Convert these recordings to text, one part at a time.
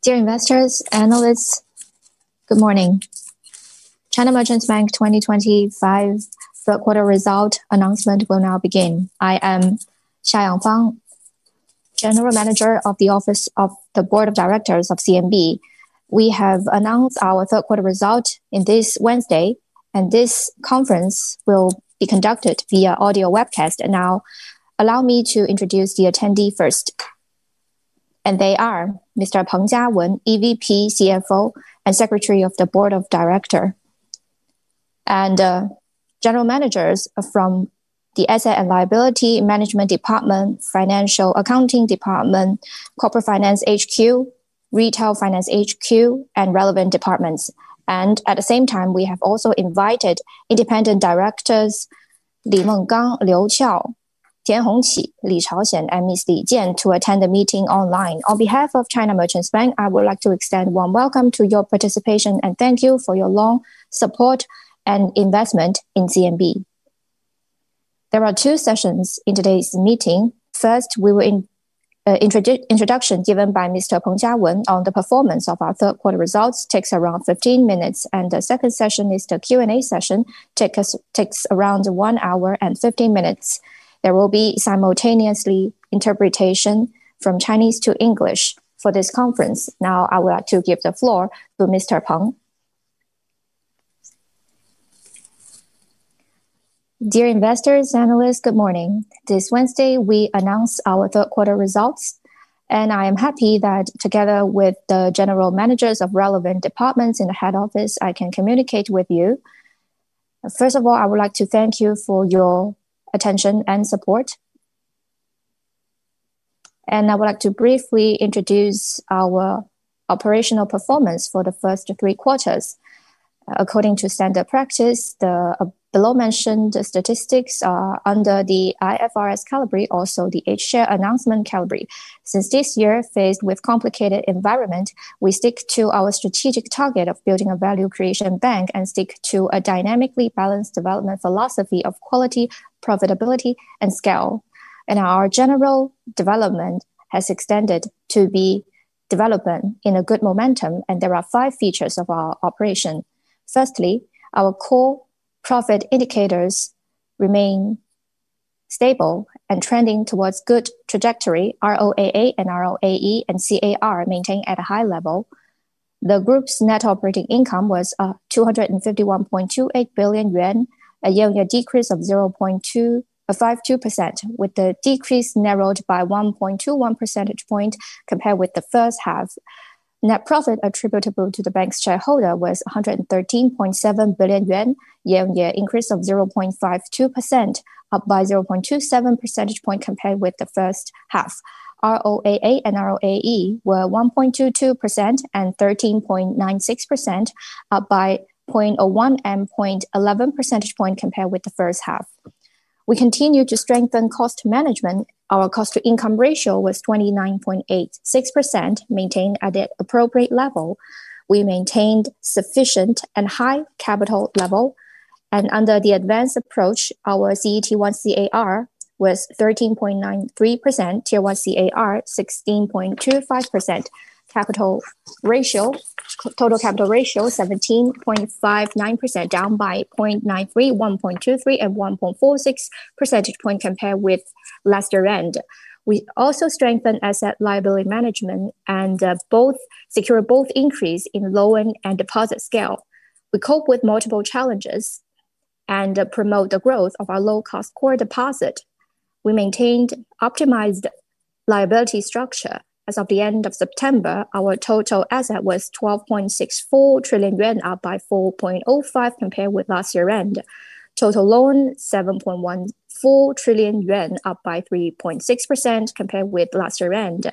Dear investors, analysts, good morning. China Merchants Bank 2025 third quarter result announcement will now begin. I am Xia Yangfang, General Manager of the Office of the Board of Directors of CMB. We have announced our third quarter result this Wednesday, and this conference will be conducted via audio webcast. Now, allow me to introduce the attendee first. They are Mr. Peng Jiawen, EVP, CFO, and Secretary of the Board of Directors, and General Managers from the Asset and Liability Management Department, Financial Accounting Department, Corporate Finance HQ, Retail Finance HQ, and relevant departments. At the same time, we have also invited independent directors Li Menggang, Liu Qiao, Tian Hongqi, Li Chaoxian, and Ms. Li Jian to attend the meeting online. On behalf of China Merchants Bank, I would like to extend a warm welcome to your participation and thank you for your long support and investment in CMB. There are two sessions in today's meeting. First, we will introduce an introduction given by Mr. Peng Jiawen on the performance of our third-quarter results, which takes around 15 minutes, and the second session is the Q&A session that takes around one hour and 15 minutes. There will be simultaneous interpretation from Chinese to English for this conference. Now, I would like to give the floor to Mr. Peng. Dear investors, analysts, good morning. This Wednesday, we announced our third quarter results, and I am happy that together with the general managers of relevant departments in the head office, I can communicate with you. First of all, I would like to thank you for your attention and support. I would like to briefly introduce our operational performance for the first three quarters. According to standard practice, the below-mentioned statistics are under the IFRS calibry, also the H Share announcement calibry. Since this year, faced with a complicated environment, we stick to our strategic target of building a value creation bank and stick to a dynamically balanced development philosophy of quality, profitability, and scale. Our general development has extended to be development in a good momentum, and there are five features of our operation. Firstly, our core profit indicators remain stable and trending towards a good trajectory. ROAA and ROAE and CAR maintained at a high level. The group's net operating income was 251.28 billion yuan, a year-on-year decrease of 0.52%, with the decrease narrowed by 1.21 percentage points compared with the first half. Net profit attributable to the bank's shareholder was 113.7 billion yuan, a year-on-year increase of 0.52%, up by 0.27 percentage points compared with the first half. ROAA and ROAE were 1.22% and 13.96%, up by 0.01 and 0.11 percentage points compared with the first half. We continue to strengthen cost management. Our cost-to-income ratio was 29.86%, maintained at the appropriate level. We maintained sufficient and high capital level. Under the advanced approach, our CET1 ratio was 13.93%, Tier 1 CAR 16.25%. Total capital ratio 17.59%, down by 0.93, 1.23, and 1.46 percentage points compared with last year. We also strengthened asset liability management and secured both increase in loan and deposit scale. We cope with multiple challenges and promote the growth of our low-cost core deposit. We maintained optimized liability structure. As of the end of September, our total asset was 12.64 trillion yuan, up by 4.05% compared with last year's end. Total loan 7.14 trillion yuan, up by 3.6% compared with last year's end.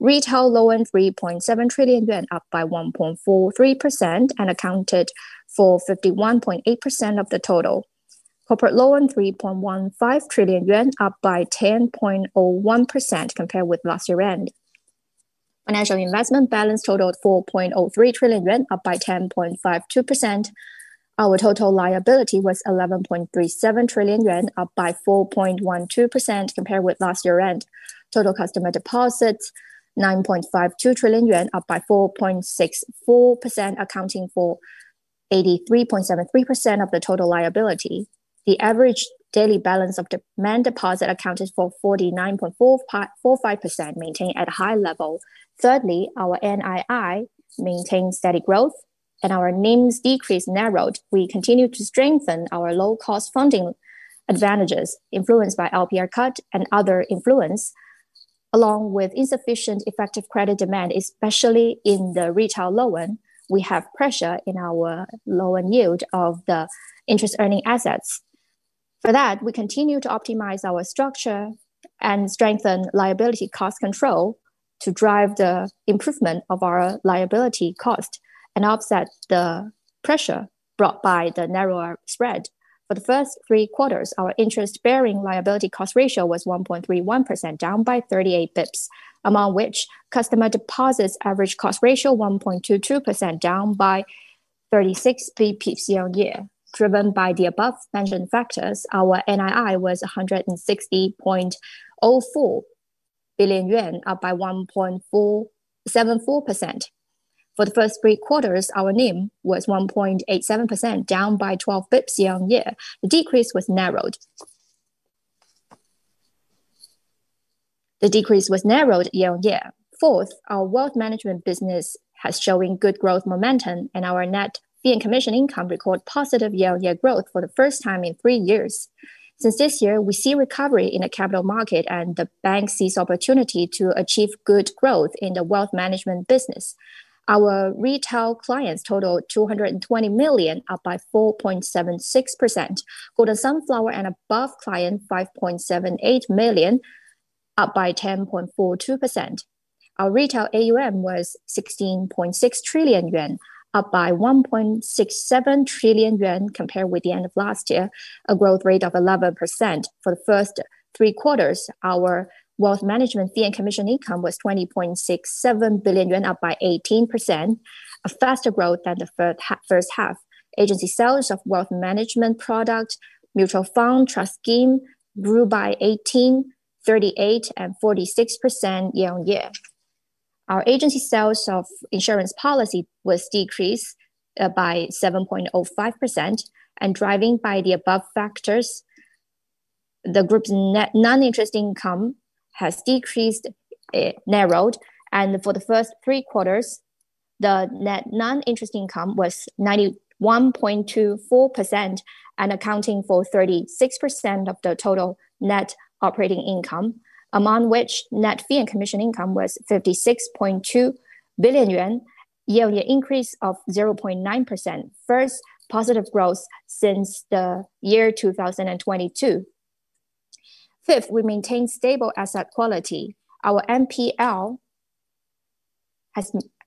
Retail loan 3.7 trillion yuan, up by 1.43%, and accounted for 51.8% of the total. Corporate loan 3.15 trillion yuan, up by 10.01% compared with last year's end. Financial investment balance totaled 4.03 trillion yuan, up by 10.52%. Our total liability was 11.37 trillion yuan, up by 4.12% compared with last year's end. Total customer deposits 9.52 trillion yuan, up by 4.64%, accounting for 83.73% of the total liability. The average daily balance of demand deposit accounted for 49.45%, maintained at a high level. Thirdly, our NII maintained steady growth, and our NIMs decrease narrowed. We continue to strengthen our low-cost funding advantages, influenced by LPR cut and other influences. Along with insufficient effective credit demand, especially in the retail loan. We have pressure in our loan yield of the interest-earning assets. For that, we continue to optimize our structure and strengthen liability cost control to drive the improvement of our liability cost and offset the pressure brought by the narrower spread. For the first three quarters, our interest-bearing liability cost ratio was 1.31%, down by 38 bps, among which customer deposits average cost ratio 1.22%, down by 36 bps year-on-year. Driven by the above-mentioned factors, our NII was 160. 4 billion, up by 1.74%. For the first three quarters, our NIM was 1.87%, down by 12 bps year-on-year. The decrease was narrowed. The decrease was narrowed year-on-year. Fourth, our wealth management business has shown good growth momentum, and our net fee and commission income recorded positive year-on-year growth for the first time in three years. Since this year, we see recovery in the capital market, and the bank sees opportunity to achieve good growth in the wealth management business. Our retail clients totaled 220 million, up by 4.76%. Golden Sunflower and above clients 5.78 million, up by 10.42%. Our retail AUM was 16.6 trillion yuan, up by 1.67 trillion yuan compared with the end of last year, a growth rate of 11%. For the first three quarters, our wealth management fee and commission income was 20.67 billion yuan, up by 18%. A faster growth than the first half. Agency sales of wealth management product, mutual fund, trust scheme grew by 18%, 38%, and 46% year-on-year. Our agency sales of insurance policy decreased by 7.05%. Driven by the above factors, the group's net non-interest income has decreased. Narrowed. For the first three quarters, the net non-interest income was 91.24 billion and accounting for 36% of the total net operating income, among which net fee and commission income was 56.2 billion yuan, a year-on-year increase of 0.9%, first positive growth since the year 2022. Fifth, we maintained stable asset quality. Our NPL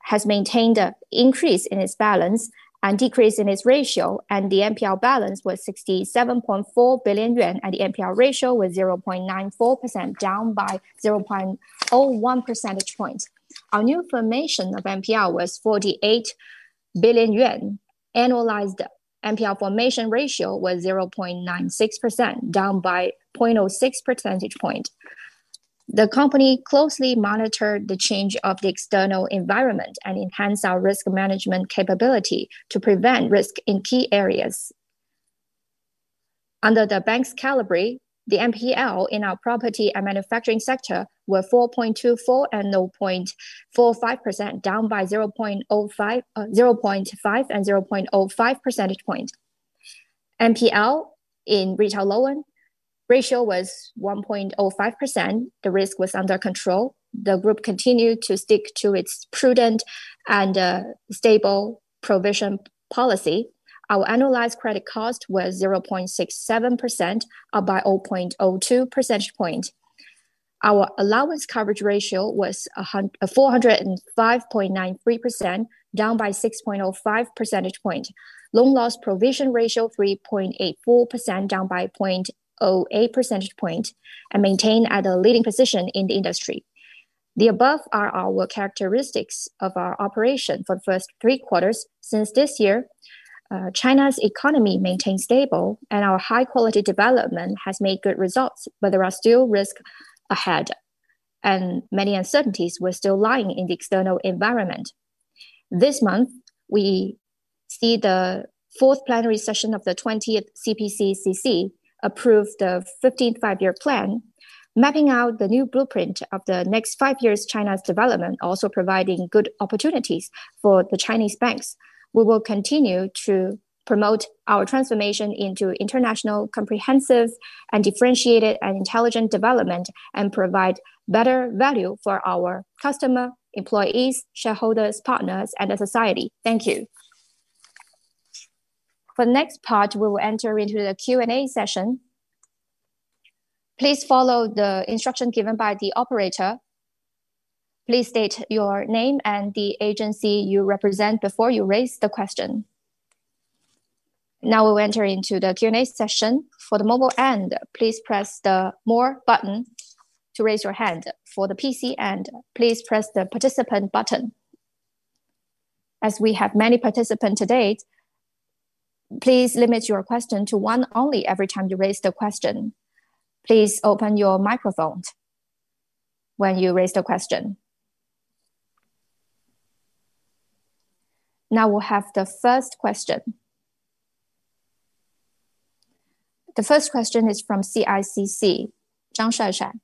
has maintained an increase in its balance and decrease in its ratio, and the NPL balance was 67.4 billion yuan, and the NPL ratio was 0.94%, down by 0.01 percentage points. Our new formation of NPL was 48 billion yuan. Annualized NPL formation ratio was 0.96%, down by 0.06 percentage points. The company closely monitored the change of the external environment and enhanced our risk management capability to prevent risk in key areas. Under the bank's caliber, the NPL in our property and manufacturing sector were 4.24% and 0.45%, down by 0.5 and 0.05 percentage points. NPL in retail loan ratio was 1.05%. The risk was under control. The group continued to stick to its prudent and stable provision policy. Our annualized credit cost was 0.67%, up by 0.02 percentage points. Our allowance coverage ratio was 405.93%, down by 6.05 percentage points. Loan loss provision ratio 3.84%, down by 0.08 percentage points, and maintained at a leading position in the industry. The above are our characteristics of our operation for the first three quarters. Since this year, China's economy maintained stable, and our high-quality development has made good results, but there are still risks ahead. Many uncertainties were still lying in the external environment. This month, we see the fourth plenary session of the 20th CPCCC approve the 15th Five-Year Plan, mapping out the new blueprint of the next five years' China's development, also providing good opportunities for the Chinese banks. We will continue to promote our transformation into international, comprehensive, differentiated, and intelligent development and provide better value for our customers, employees, shareholders, partners, and the society. Thank you. For the next part, we will enter into the Q&A session. Please follow the instructions given by the operator. Please state your name and the agency you represent before you raise the question. Now we will enter into the Q&A session. For the mobile end, please press the More button to raise your hand. For the PC end, please press the Participant button. As we have many participants to date, please limit your question to one only every time you raise the question. Please open your microphone when you raise the question. Now we'll have the first question. The first question is from CICC, Shuaishuai Zhang.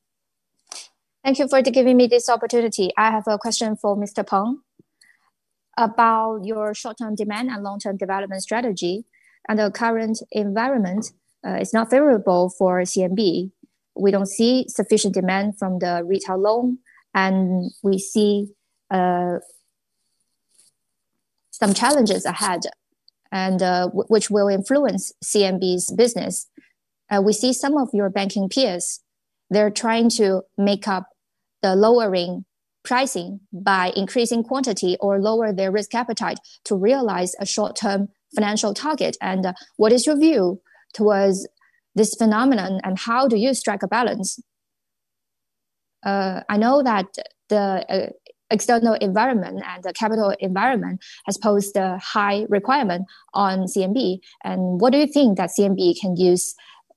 Thank you for giving me this opportunity. I have a question for Mr. Peng about your short-term demand and long-term development strategy. Under the current environment, it's not favorable for CMB. We don't see sufficient demand from the retail loan, and we see some challenges ahead, which will influence CMB's business. We see some of your banking peers, they're trying to make up the lowering pricing by increasing quantity or lower their risk appetite to realize a short-term financial target. What is your view towards this phenomenon, and how do you strike a balance? I know that the external environment and the capital environment has posed a high requirement on CMB. What do you think that CMB can use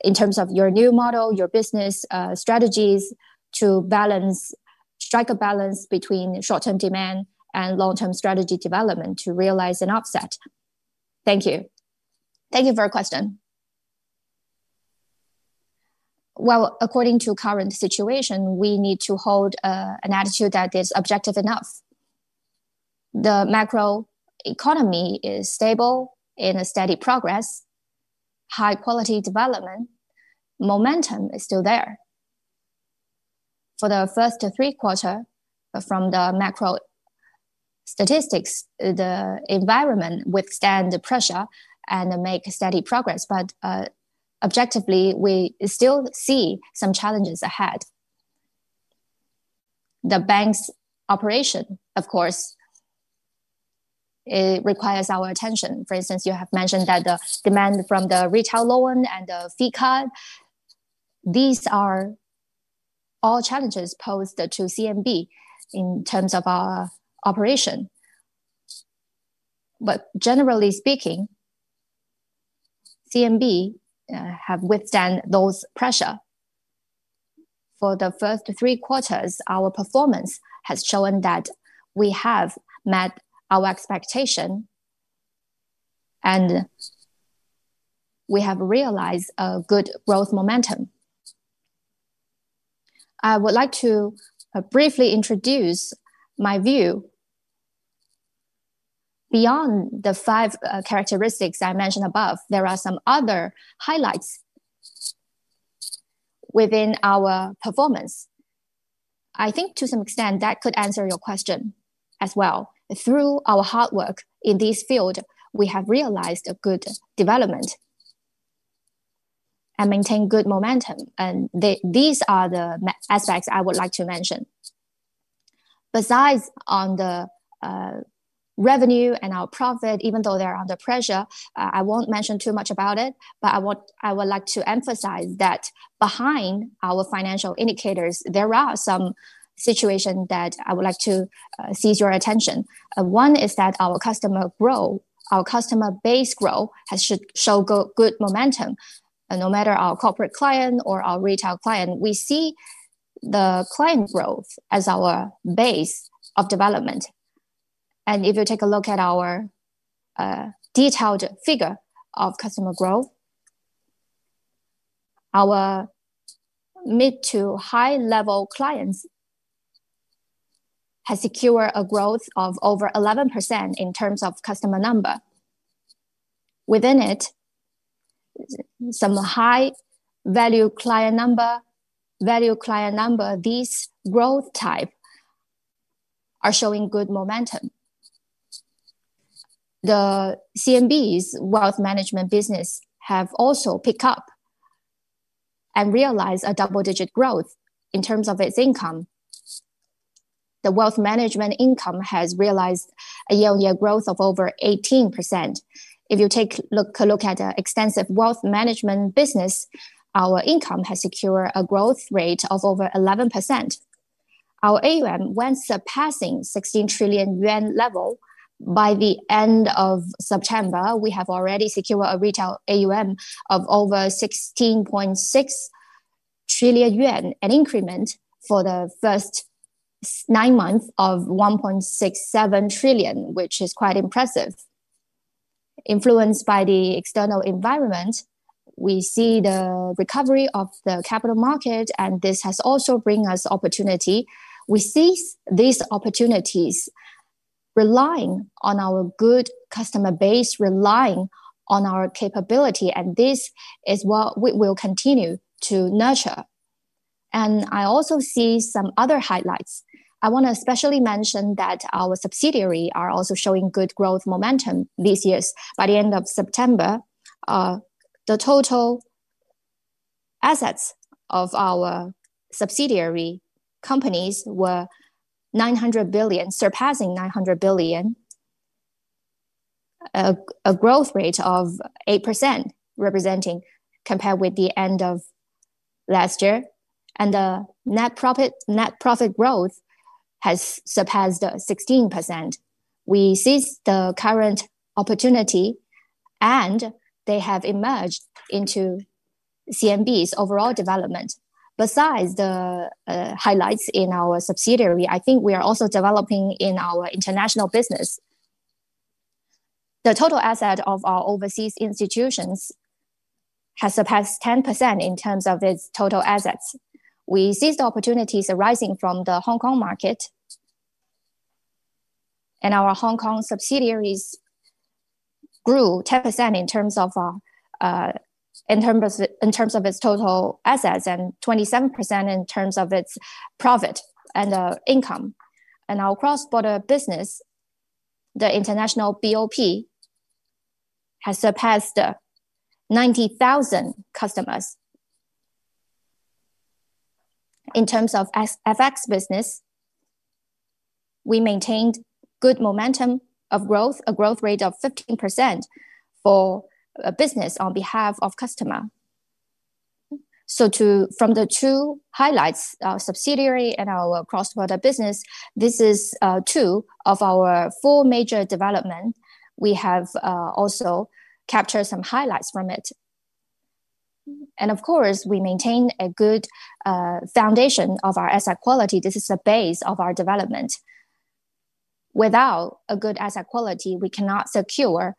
in terms of your new model, your business strategies to balance, strike a balance between short-term demand and long-term strategy development to realize an offset? Thank you. Thank you for your question. According to the current situation, we need to hold an attitude that is objective enough. The macroeconomy is stable in a steady progress. High-quality development momentum is still there. For the first three quarters from the macro statistics, the environment withstands the pressure and makes steady progress, but objectively, we still see some challenges ahead. The bank's operation, of course, requires our attention. For instance, you have mentioned that the demand from the retail loan and the fee cut. These are all challenges posed to CMB in terms of our operation. Generally speaking, CMB has withstood those pressures. For the first three quarters, our performance has shown that we have met our expectations. We have realized a good growth momentum. I would like to briefly introduce my view. Beyond the five characteristics I mentioned above, there are some other highlights within our performance. I think to some extent that could answer your question as well. Through our hard work in this field, we have realized a good development and maintained good momentum. These are the aspects I would like to mention. Besides, on the revenue and our profit, even though they're under pressure, I won't mention too much about it, but I would like to emphasize that behind our financial indicators, there are some situations that I would like to seize your attention. One is that our customer growth, our customer base growth, has shown good momentum. No matter our corporate client or our retail client, we see the client growth as our base of development. If you take a look at our detailed figure of customer growth, our mid to high-level clients have secured a growth of over 11% in terms of customer number. Within it, some high-value client number, value client number, these growth types are showing good momentum. The CMB's wealth management business has also picked up and realized a double-digit growth in terms of its income. The wealth management income has realized a year-on-year growth of over 18%. If you take a look at the extensive wealth management business, our income has secured a growth rate of over 11%. Our AUM went surpassing 16 trillion yuan level by the end of September. We have already secured a retail AUM of over 16.6 trillion yuan, an increment for the first nine months of 1.67 trillion, which is quite impressive. Influenced by the external environment, we see the recovery of the capital market, and this has also brought us opportunity. We see these opportunities relying on our good customer base, relying on our capability, and this is what we will continue to nurture. I also see some other highlights. I want to especially mention that our subsidiaries are also showing good growth momentum this year. By the end of September, the total assets of our subsidiary companies were 900 billion, surpassing 900 billion, a growth rate of 8% compared with the end of last year. The net profit growth has surpassed 16%. We see the current opportunity, and they have emerged into CMB's overall development. Besides the highlights in our subsidiaries, I think we are also developing in our international business. The total asset of our overseas institutions has surpassed 10% in terms of its total assets. We see the opportunities arising from the Hong Kong market. Our Hong Kong subsidiaries grew 10% in terms of its total assets and 27% in terms of its profit and income. Our cross-border business, the international BOP, has surpassed 90,000 customers. In terms of FX business, we maintained good momentum of growth, a growth rate of 15% for a business on behalf of customer. From the two highlights, our subsidiary and our cross-border business, this is two of our four major developments. We have also captured some highlights from it. Of course, we maintain a good foundation of our asset quality. This is the base of our development. Without a good asset quality, we cannot secure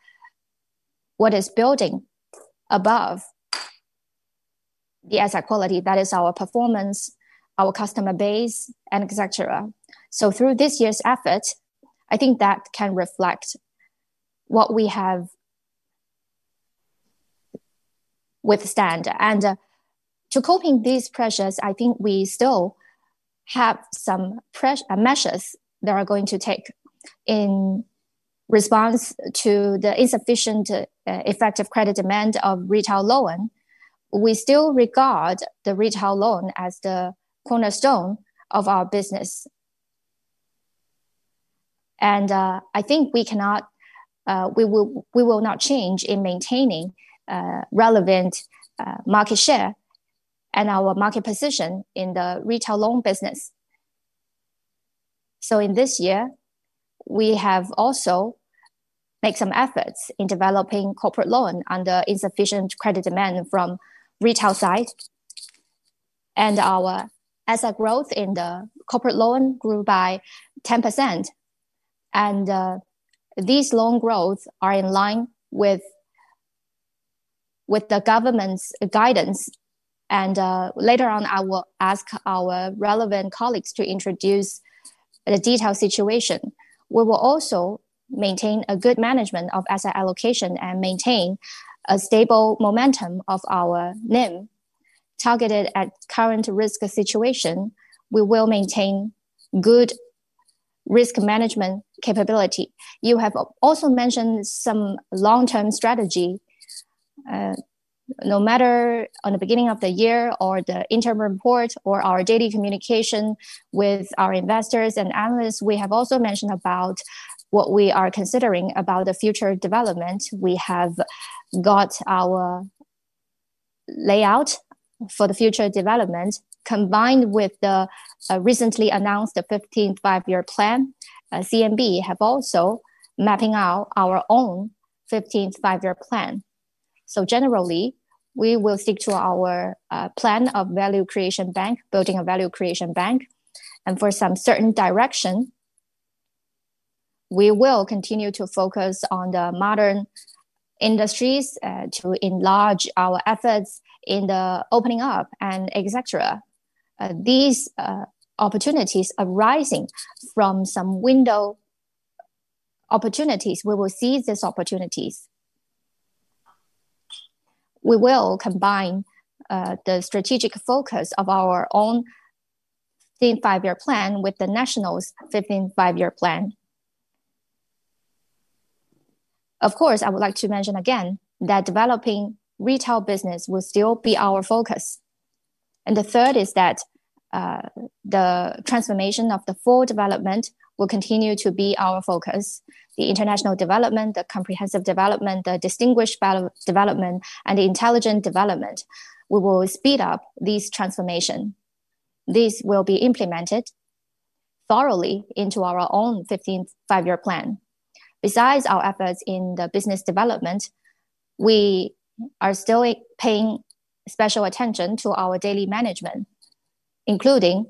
what is building above. The asset quality, that is our performance, our customer base, and et cetera. Through this year's efforts, I think that can reflect what we have withstood. To coping these pressures, I think we still have some measures that are going to take in response to the insufficient effective credit demand of retail loan. We still regard the retail loan as the cornerstone of our business. I think we cannot, we will not change in maintaining relevant market share and our market position in the retail loan business. In this year, we have also made some efforts in developing corporate loan under insufficient credit demand from the retail side. Our asset growth in the corporate loan grew by 10%. These loan growths are in line with the government's guidance. Later on, I will ask our relevant colleagues to introduce the detailed situation. We will also maintain a good management of asset allocation and maintain a stable momentum of our NIM. Targeted at current risk situation, we will maintain good risk management capability. You have also mentioned some long-term strategy. No matter at the beginning of the year, the interim report, or our daily communication with our investors and analysts, we have also mentioned what we are considering about the future development. We have got our layout for the future development combined with the recently announced 15th Five-Year Plan. CMB has also mapped out our own 15th Five-Year Plan. Generally, we will stick to our plan of building a value creation bank. For some certain direction, we will continue to focus on the modern industries to enlarge our efforts in the opening up, et cetera. These opportunities arising from some window opportunities, we will seize these opportunities. We will combine the strategic focus of our own 15th Five-Year Plan with the national 15th Five-Year Plan. Of course, I would like to mention again that developing retail business will still be our focus. The third is that the transformation of the full development will continue to be our focus. The international development, the comprehensive development, the distinguished development, and the intelligent development, we will speed up this transformation. These will be implemented thoroughly into our own 15th Five-Year Plan. Besides our efforts in the business development, we are still paying special attention to our daily management, including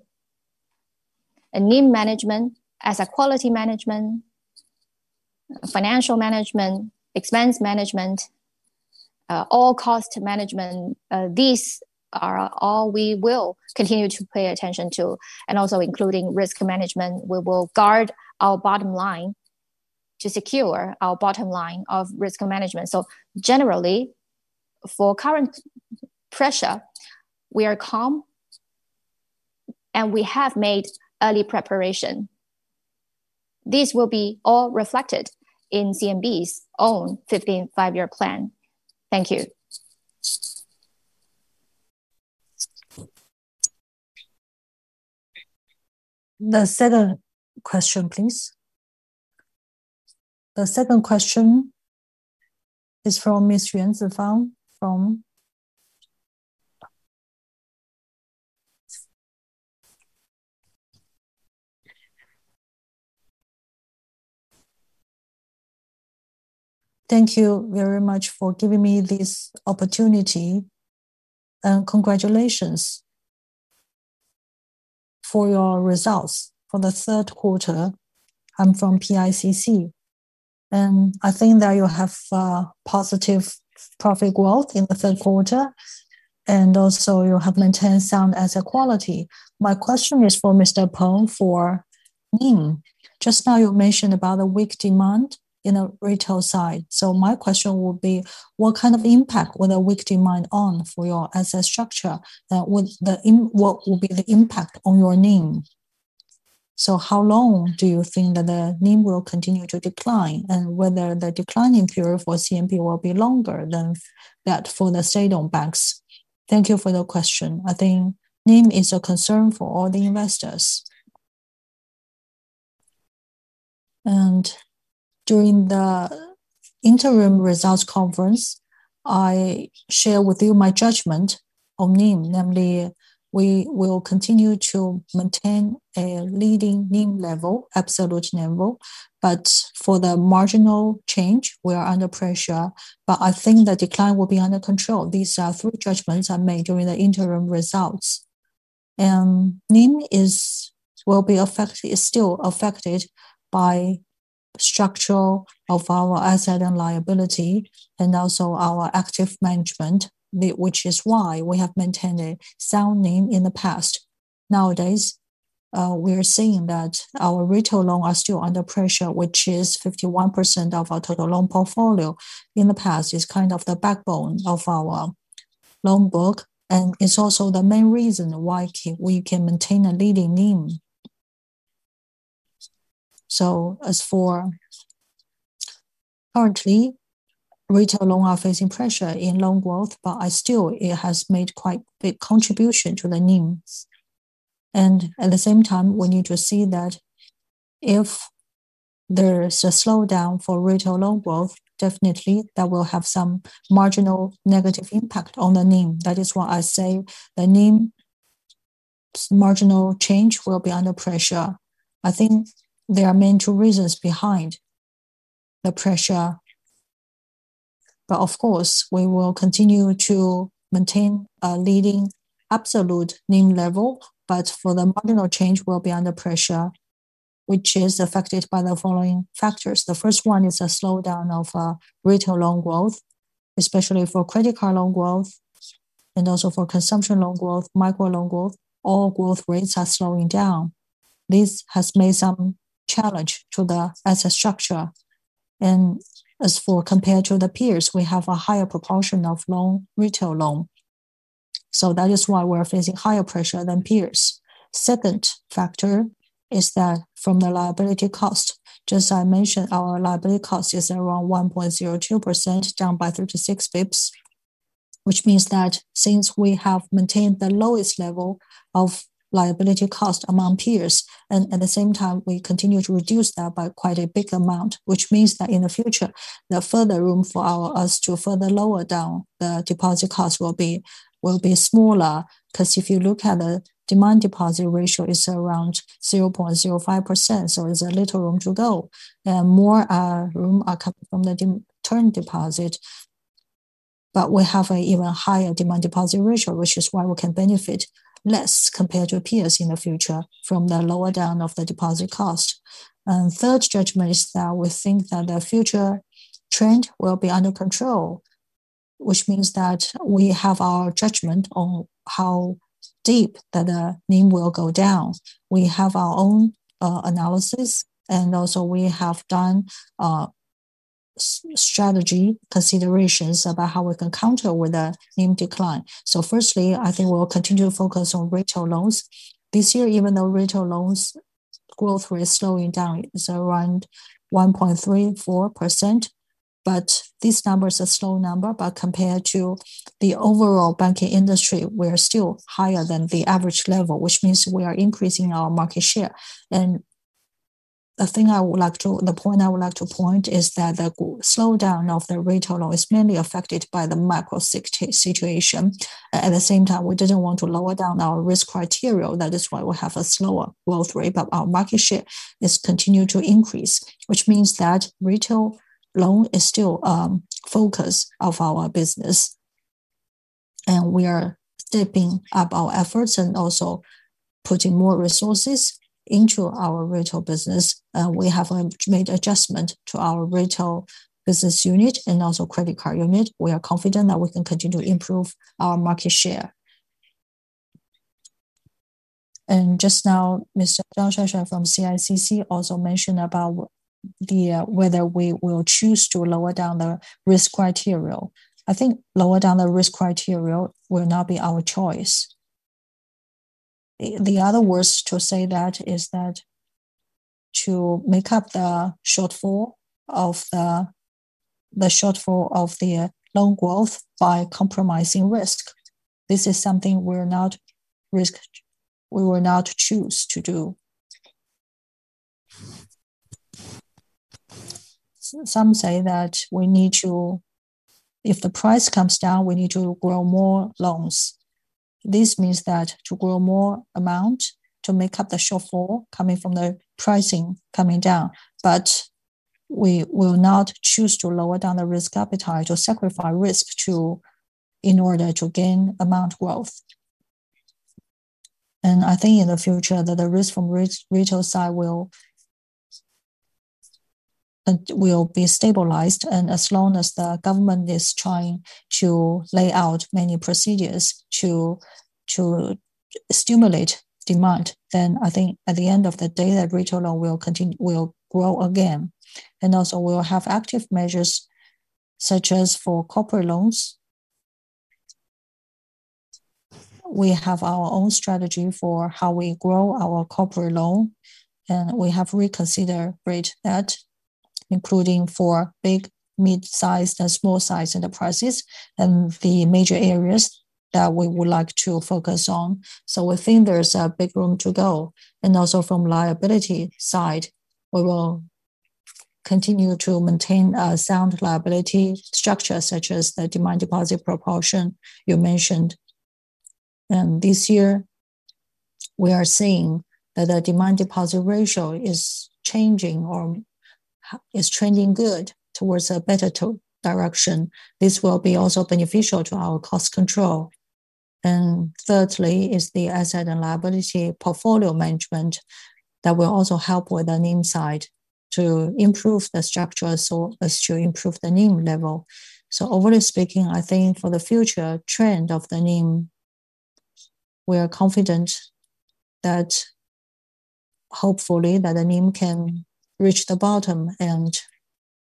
NIM management, asset quality management, financial management, expense management, all cost management. These are all we will continue to pay attention to. Also including risk management, we will guard our bottom line to secure our bottom line of risk management. Generally, for current pressure, we are calm, and we have made early preparation. These will all be reflected in CMB's own 15th Five-Year Plan. Thank you. The second question, please. The second question is from Ms. Yuan Zhifang from. Thank you very much for giving me this opportunity, and congratulations for your results for the third quarter. I'm from PICC, and I think that you have positive profit growth in the third quarter, and also you have maintained sound asset quality. My question is for Mr. Peng for NIM. Just now, you mentioned the weak demand in the retail side. My question would be, what kind of impact will the weak demand have on your asset structure? What will be the impact on your NIM? How long do you think that the NIM will continue to decline and whether the declining period for CMB will be longer than that for the state-owned banks? Thank you for the question. I think NIM is a concern for all the investors. During the interim results conference, I shared with you my judgment on NIM, namely, we will continue to maintain a leading NIM level, absolute level, but for the marginal change, we are under pressure. I think the decline will be under control. These are three judgments I made during the interim results. NIM will still be affected by the structure of our asset and liability and also our active management, which is why we have maintained a sound NIM in the past. Nowadays, we are seeing that our retail loan is still under pressure, which is 51% of our total loan portfolio. In the past, it's kind of the backbone of our loan book, and it's also the main reason why we can maintain a leading NIM. As for currently, retail loans are facing pressure in loan growth, but still, it has made quite a big contribution to the NIM. At the same time, we need to see that if there is a slowdown for retail loan growth, definitely that will have some marginal negative impact on the NIM. That is why I say the NIM marginal change will be under pressure. I think there are two main reasons behind the pressure. Of course, we will continue to maintain a leading absolute NIM level, but for the marginal change, we will be under pressure, which is affected by the following factors. The first one is a slowdown of retail loan growth, especially for credit card loan growth, and also for consumption loan growth, micro loan growth. All growth rates are slowing down. This has made some challenge to the asset structure. As for compared to the peers, we have a higher proportion of retail loans, so that is why we're facing higher pressure than peers. The second factor is that from the liability cost, just as I mentioned, our liability cost is around 1.02%, down by 36 bps, which means that since we have maintained the lowest level of liability cost among peers, and at the same time, we continue to reduce that by quite a big amount, in the future, the further room for us to further lower down the deposit cost will be smaller. If you look at the demand-deposit ratio, it's around 0.05%, so there's a little room to go. More room is coming from the term deposit. We have an even higher demand-deposit ratio, which is why we can benefit less compared to peers in the future from the lowering of the deposit cost. The third judgment is that we think the future trend will be under control, which means that we have our judgment on how deep the NIM will go down. We have our own analysis, and we have done strategy considerations about how we can counter the NIM decline. Firstly, I think we'll continue to focus on retail loans. This year, even though retail loans' growth rate is slowing down, it's around 1.34%. These numbers are slow numbers, but compared to the overall banking industry, we are still higher than the average level, which means we are increasing our market share. The point I would like to make is that the slowdown of the retail loan is mainly affected by the macro situation. At the same time, we didn't want to lower our risk criteria. That is why we have a slower growth rate, but our market share is continuing to increase, which means that retail loan is still a focus of our business. We are stepping up our efforts and also putting more resources into our retail business. We have made adjustments to our retail business unit and also credit card unit. We are confident that we can continue to improve our market share. Just now, Mr. Desheng Zhong from CICC also mentioned whether we will choose to lower the risk criteria. I think lowering the risk criteria will not be our choice. In other words, to make up the shortfall of the loan growth by compromising risk is something we will not choose to do. Some say that if the price comes down, we need to grow more loans. This means that to grow more amount to make up the shortfall coming from the pricing coming down. We will not choose to lower the risk appetite or sacrifice risk in order to gain amount growth. I think in the future the risk from the retail side will be stabilized. As long as the government is trying to lay out many procedures to stimulate demand, then at the end of the day, the retail loan will grow again. We will have active measures. For corporate loans, we have our own strategy for how we grow our corporate loan, and we have reconsidered that. Including for big, mid-sized, and small-sized enterprises and the major areas that we would like to focus on. We think there's a big room to go. Also, from the liability side, we will continue to maintain a sound liability structure, such as the demand-deposit proportion you mentioned. This year, we are seeing that the demand-deposit ratio is changing or is trending good towards a better direction. This will also be beneficial to our cost control. Thirdly is the asset and liability portfolio management that will also help with the NIM side to improve the structure as to improve the NIM level. Overall, I think for the future trend of the NIM, we are confident that hopefully, the NIM can reach the bottom and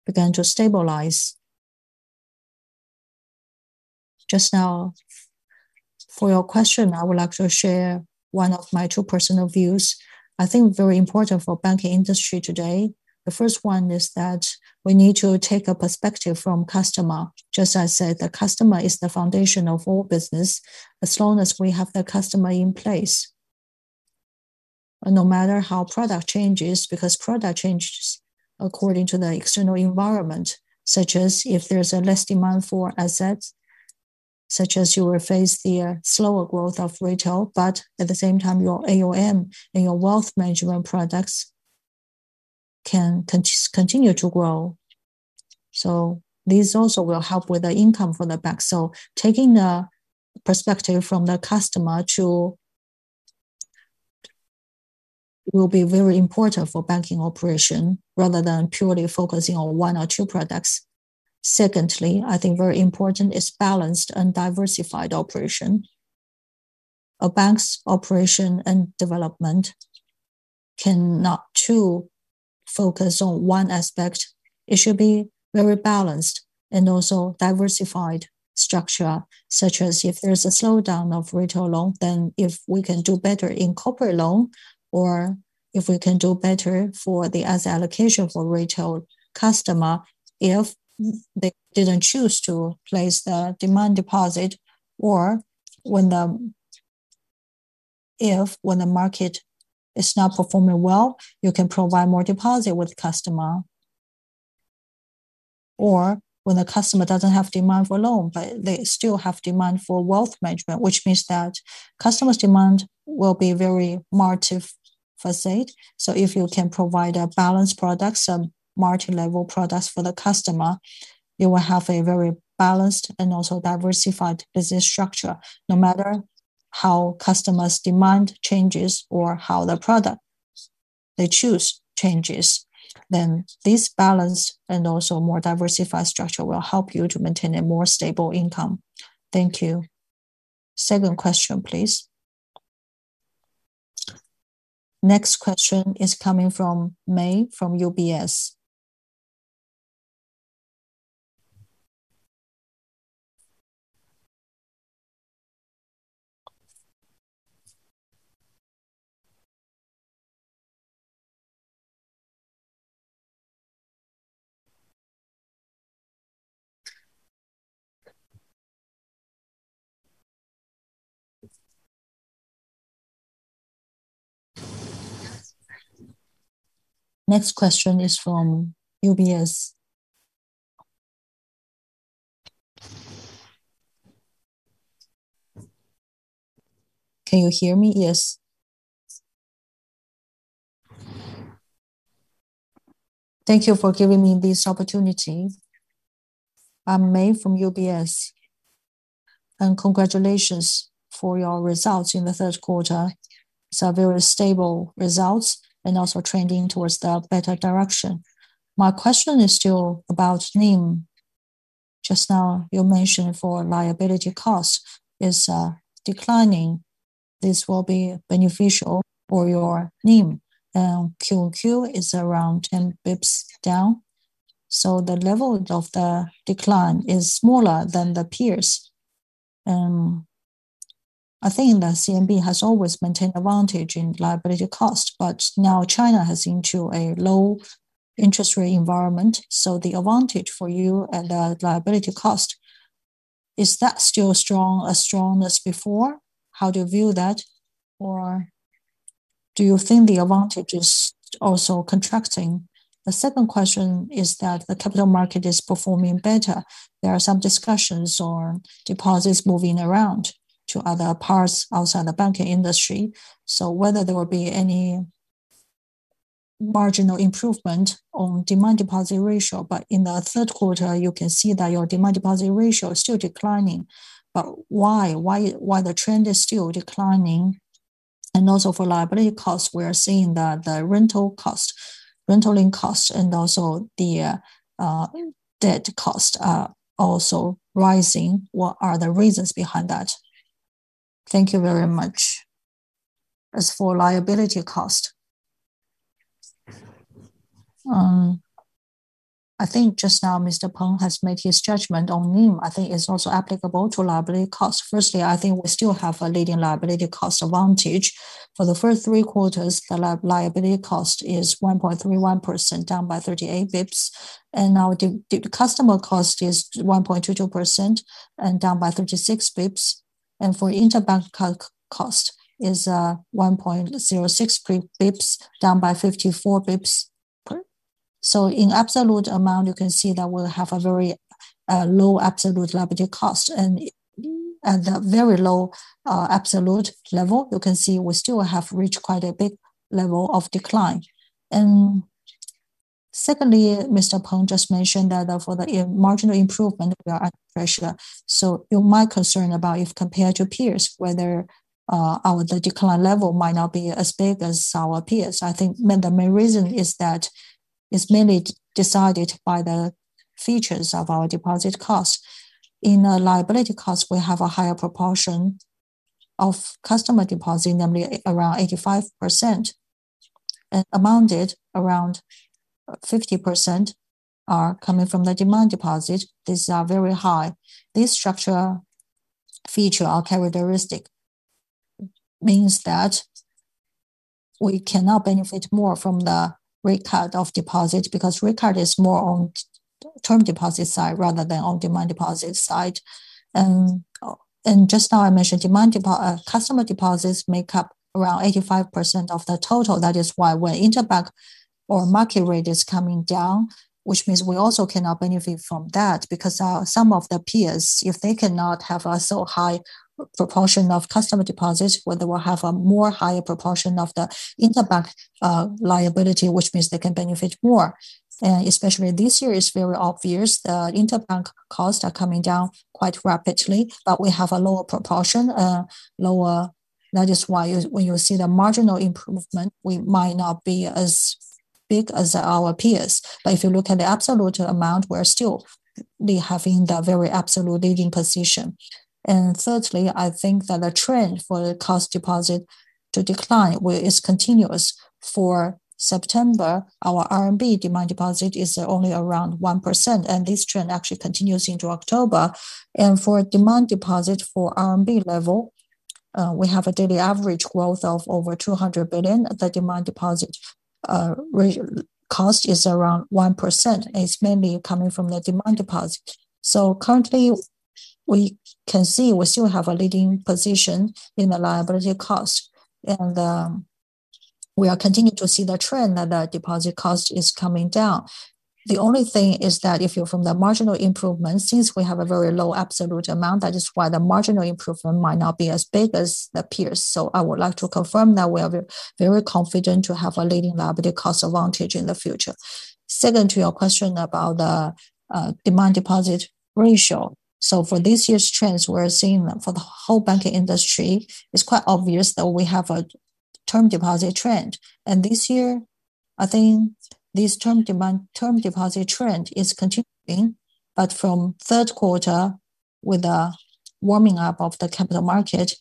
begin to stabilize. For your question, I would like to share one of my two personal views. I think very important for the banking industry today, the first one is that we need to take a perspective from the customer. Just as I said, the customer is the foundation of all business. As long as we have the customer in place, no matter how product changes, because product changes according to the external environment, such as if there's less demand for assets, such as you will face the slower growth of retail, but at the same time, your AUM and your wealth management products can continue to grow. This also will help with the income for the bank. Taking the perspective from the customer too will be very important for banking operation rather than purely focusing on one or two products. Secondly, I think very important is balanced and diversified operation. A bank's operation and development cannot too focus on one aspect. It should be very balanced and also diversified structure, such as if there's a slowdown of retail loan, then if we can do better in corporate loan, or if we can do better for the asset allocation for retail customer, if they didn't choose to place the demand deposit, or when the market is not performing well, you can provide more deposit with the customer. Or when the customer doesn't have demand for loan, but they still have demand for wealth management, which means that customer's demand will be very multifaceted. If you can provide a balanced product, some multi-level products for the customer, you will have a very balanced and also diversified business structure, no matter how customer's demand changes or how the product. They choose changes, then this balance and also more diversified structure will help you to maintain a more stable income. Thank you. Second question, please. Next question is coming from Mei from UBS. Next question is from UBS. Can you hear me? Yes. Thank you for giving me this opportunity. I'm Mei from UBS. And congratulations for your results in the third quarter. Very stable results and also trending towards the better direction. My question is still about NIM. Just now, you mentioned for liability cost is declining. This will be beneficial for your NIM. QoQ is around 10 bps down. The level of the decline is smaller than the peers. I think CMB has always maintained advantage in liability cost, but now China has been to a low interest rate environment. The advantage for you and the liability cost, is that still strong as before? How do you view that? Do you think the advantage is also contracting? The second question is that the capital market is performing better. There are some discussions on deposits moving around to other parts outside the banking industry. Whether there will be any marginal improvement on demand-deposit ratio. In the third quarter, you can see that your demand-deposit ratio is still declining. Why? Why the trend is still declining? Also for liability cost, we are seeing that the rental cost, rental cost, and also the debt cost are also rising. What are the reasons behind that? Thank you very much. As for liability cost, I think just now, Mr. Peng has made his judgment on NIM. I think it's also applicable to liability cost. Firstly, I think we still have a leading liability cost advantage. For the first three quarters, the liability cost is 1.31%, down by 38 bps. Now the customer cost is 1.22%, and down by 36 bps. For interbank cost, it's 1.06%, down by 54 bps. In absolute amount, you can see that we have a very low absolute liability cost. At the very low absolute level, you can see we still have reached quite a big level of decline. Secondly, Mr. Peng just mentioned that for the marginal improvement, we are at pressure. You might concern about if compared to peers, whether our decline level might not be as big as our peers. I think the main reason is that it's mainly decided by the features of our deposit cost. In liability cost, we have a higher proportion of customer deposit, namely around 85%, and amounted around 50%. Are coming from the demand deposit. These are very high. This structure, feature, or characteristic means that we cannot benefit more from the rate cut of deposit because rate cut is more on term deposit side rather than on demand deposit side. Just now, I mentioned customer deposits make up around 85% of the total. That is why when interbank or market rate is coming down, which means we also cannot benefit from that because some of the peers, if they cannot have a so high proportion of customer deposits, they will have a higher proportion of the interbank liability, which means they can benefit more. Especially this year, it's very obvious the interbank costs are coming down quite rapidly, but we have a lower proportion. That is why when you see the marginal improvement, we might not be as big as our peers. If you look at the absolute amount, we're still having the very absolute leading position. Thirdly, I think that the trend for the cost deposit to decline is continuous. For September, our RMB demand deposit is only around 1%, and this trend actually continues into October. For demand deposit for RMB level, we have a daily average growth of over 200 billion. The demand deposit cost is around 1%. It's mainly coming from the demand deposit. Currently, we can see we still have a leading position in the liability cost. We are continuing to see the trend that the deposit cost is coming down. The only thing is that if you're from the marginal improvement, since we have a very low absolute amount, that is why the marginal improvement might not be as big as the peers. I would like to confirm that we are very confident to have a leading liability cost advantage in the future. Second, to your question about the demand deposit ratio. For this year's trends, we're seeing for the whole banking industry, it's quite obvious that we have a term deposit trend. This year, I think this term deposit trend is continuing, but from third quarter with the warming up of the capital market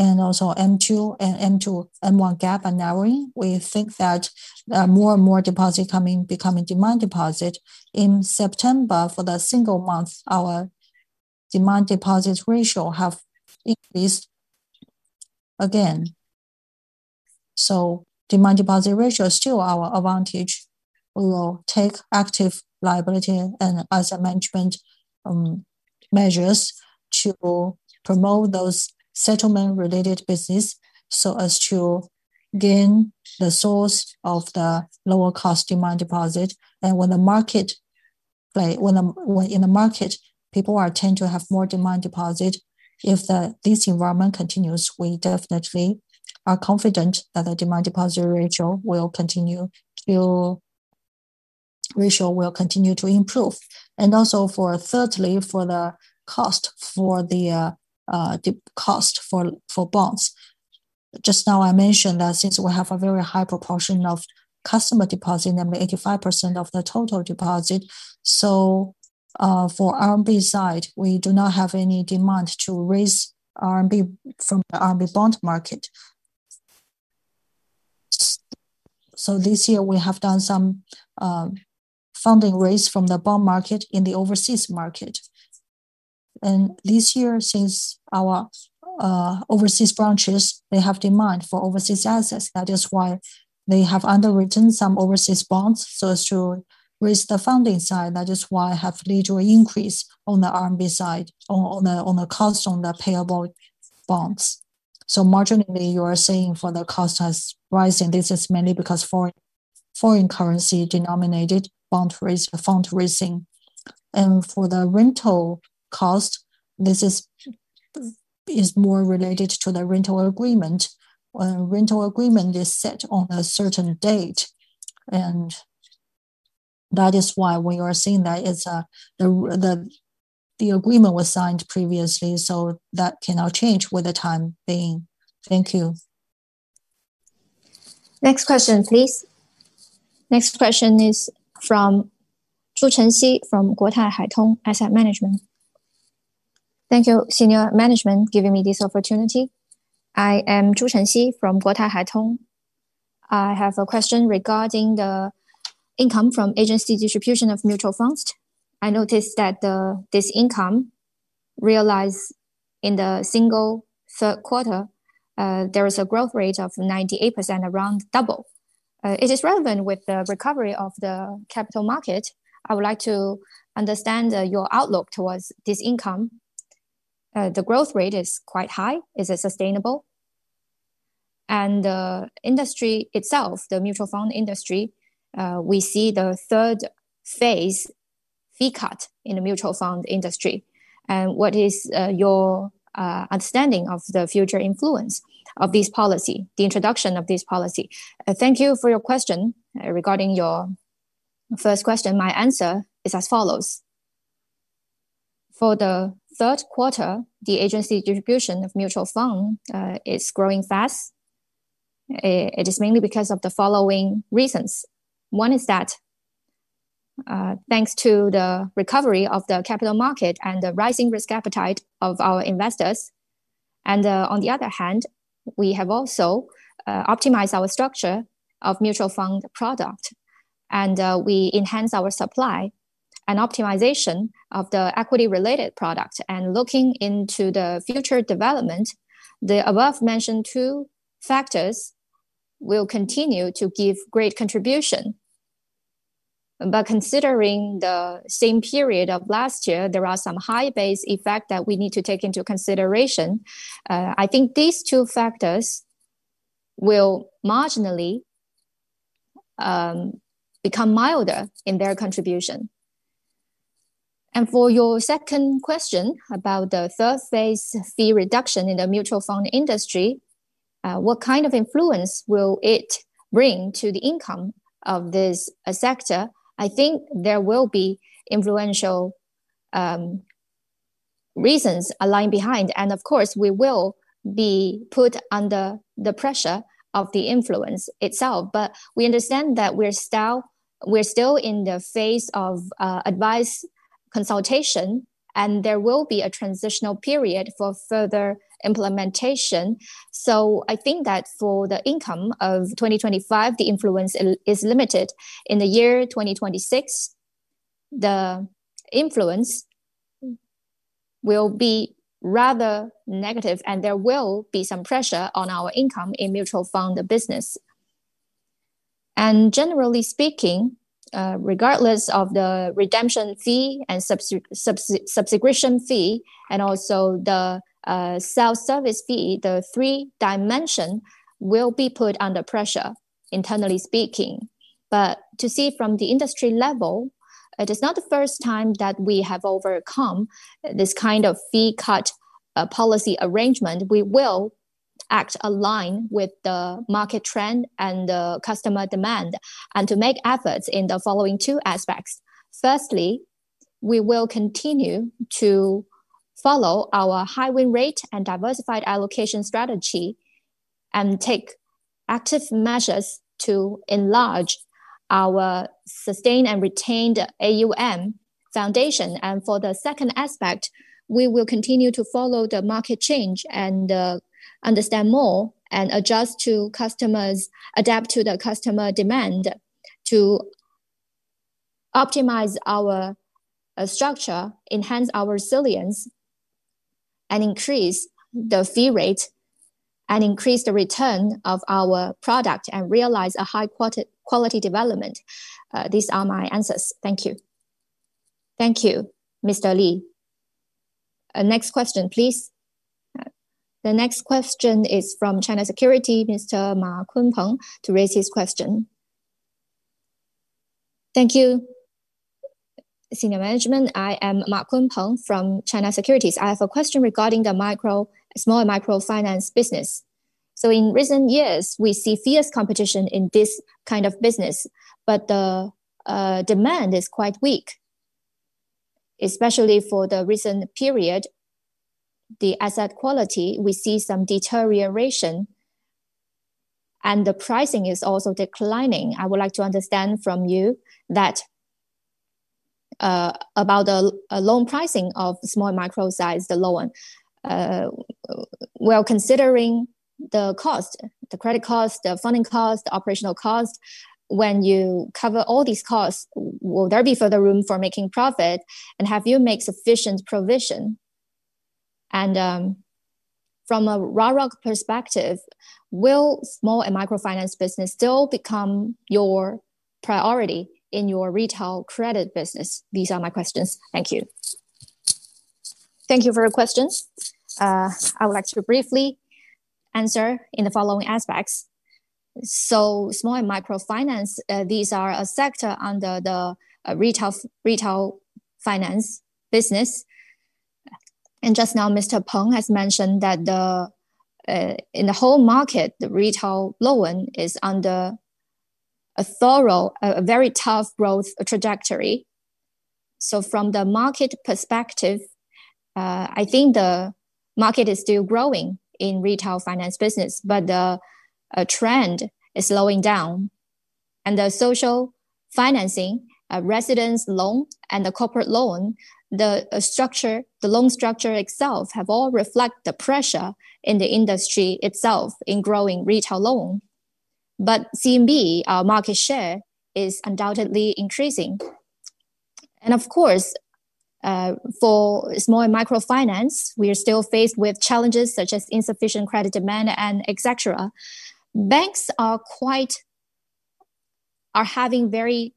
and also M2 and M1 gap are narrowing. We think that more and more deposit becoming demand deposit. In September, for the single month, our demand deposit ratio has increased again. Demand deposit ratio is still our advantage. We will take active liability and asset management measures to promote those settlement-related businesses so as to gain the source of the lower cost demand deposit. When the market. In the market, people tend to have more demand deposit. If this environment continues, we definitely are confident that the demand deposit ratio will continue to improve. Thirdly, for the cost for the cost for bonds, just now, I mentioned that since we have a very high proportion of customer deposit, namely 85% of the total deposit, for RMB side, we do not have any demand to raise RMB from the RMB bond market. This year, we have done some funding raise from the bond market in the overseas market. This year, since our overseas branches have demand for overseas assets, that is why they have underwritten some overseas bonds to raise the funding side. That is why I have a little increase on the RMB side, on the cost on the payable bonds. Marginally, you are seeing the cost has risen. This is mainly because foreign currency-denominated fund raising. For the rental cost, this is more related to the rental agreement. Rental agreement is set on a certain date. That is why we are seeing that the agreement was signed previously, so that cannot change with the time being. Thank you. Next question, please. Next question is from Zhu Chengxi from Guotai Haitong Asset Management. Thank you, Senior Management, for giving me this opportunity. I am Zhu Chengxi from Guotai Haitong. I have a question regarding the income from agency distribution of mutual funds. I noticed that this income realized in the single third quarter, there was a growth rate of 98%, around double. It is relevant with the recovery of the capital market. I would like to understand your outlook towards this income. The growth rate is quite high. Is it sustainable? The industry itself, the mutual fund industry, we see the third phase fee cut in the mutual fund industry. What is your understanding of the future influence of this policy, the introduction of this policy? Thank you for your question. Regarding your first question, my answer is as follows. For the third quarter, the agency distribution of mutual fund is growing fast. It is mainly because of the following reasons. One is that thanks to the recovery of the capital market and the rising risk appetite of our investors. On the other hand, we have also optimized our structure of mutual fund product, and we enhanced our supply and optimization of the equity-related product. Looking into the future development, the above-mentioned two factors will continue to give great contribution. Considering the same period of last year, there are some high-base effects that we need to take into consideration. I think these two factors will marginally become milder in their contribution. For your second question about the third phase fee reduction in the mutual fund industry, what kind of influence will it bring to the income of this sector? I think there will be influential reasons lying behind. Of course, we will be put under the pressure of the influence itself. We understand that we're still in the phase of advice consultation, and there will be a transitional period for further implementation. I think that for the income of 2025, the influence is limited. In the year 2026, the influence will be rather negative, and there will be some pressure on our income in mutual fund business. Generally speaking, regardless of the redemption fee and subscription fee, and also the self-service fee, the three dimensions will be put under pressure, internally speaking. To see from the industry level, it is not the first time that we have overcome this kind of fee cut policy arrangement. We will act aligned with the market trend and the customer demand and make efforts in the following two aspects. Firstly, we will continue to follow our high win rate and diversified allocation strategy and take active measures to enlarge our sustained and retained AUM foundation. For the second aspect, we will continue to follow the market change and understand more and adjust to customers, adapt to the customer demand to optimize our structure, enhance our resilience, increase the fee rate, and increase the return of our product, and realize a high-quality development. These are my answers. Thank you. Thank you, Mr. Ji. Next question, please. The next question is from China Securities, Mr. Ma Kunpeng, to raise his question. Thank you. Senior Management, I am Ma Kunpeng from China Securities. I have a question regarding the small and microfinance segment. In recent years, we see fierce competition in this kind of business, but the demand is quite weak, especially for the recent period. The asset quality, we see some deterioration, and the pricing is also declining. I would like to understand from you about the loan pricing of small micro size, the low one. Considering the cost, the credit cost, the funding cost, the operational cost, when you cover all these costs, will there be further room for making profit? Have you made sufficient provision? From a RAROC perspective, will small and microfinance business still become your priority in your retail credit business? These are my questions. Thank you. Thank you for your questions. I would like to briefly answer in the following aspects. Small and microfinance, these are a sector under the retail finance business. Just now, Mr. Peng has mentioned that in the whole market, the retail loan is under a very tough growth trajectory. From the market perspective, I think the market is still growing in retail finance business, but the trend is slowing down. The social financing, residence loan, and the corporate loan, the loan structure itself have all reflected the pressure in the industry itself in growing retail loan. CMB, our market share, is undoubtedly increasing. Of course, for small and microfinance, we are still faced with challenges such as insufficient credit demand, etc. Banks are having a very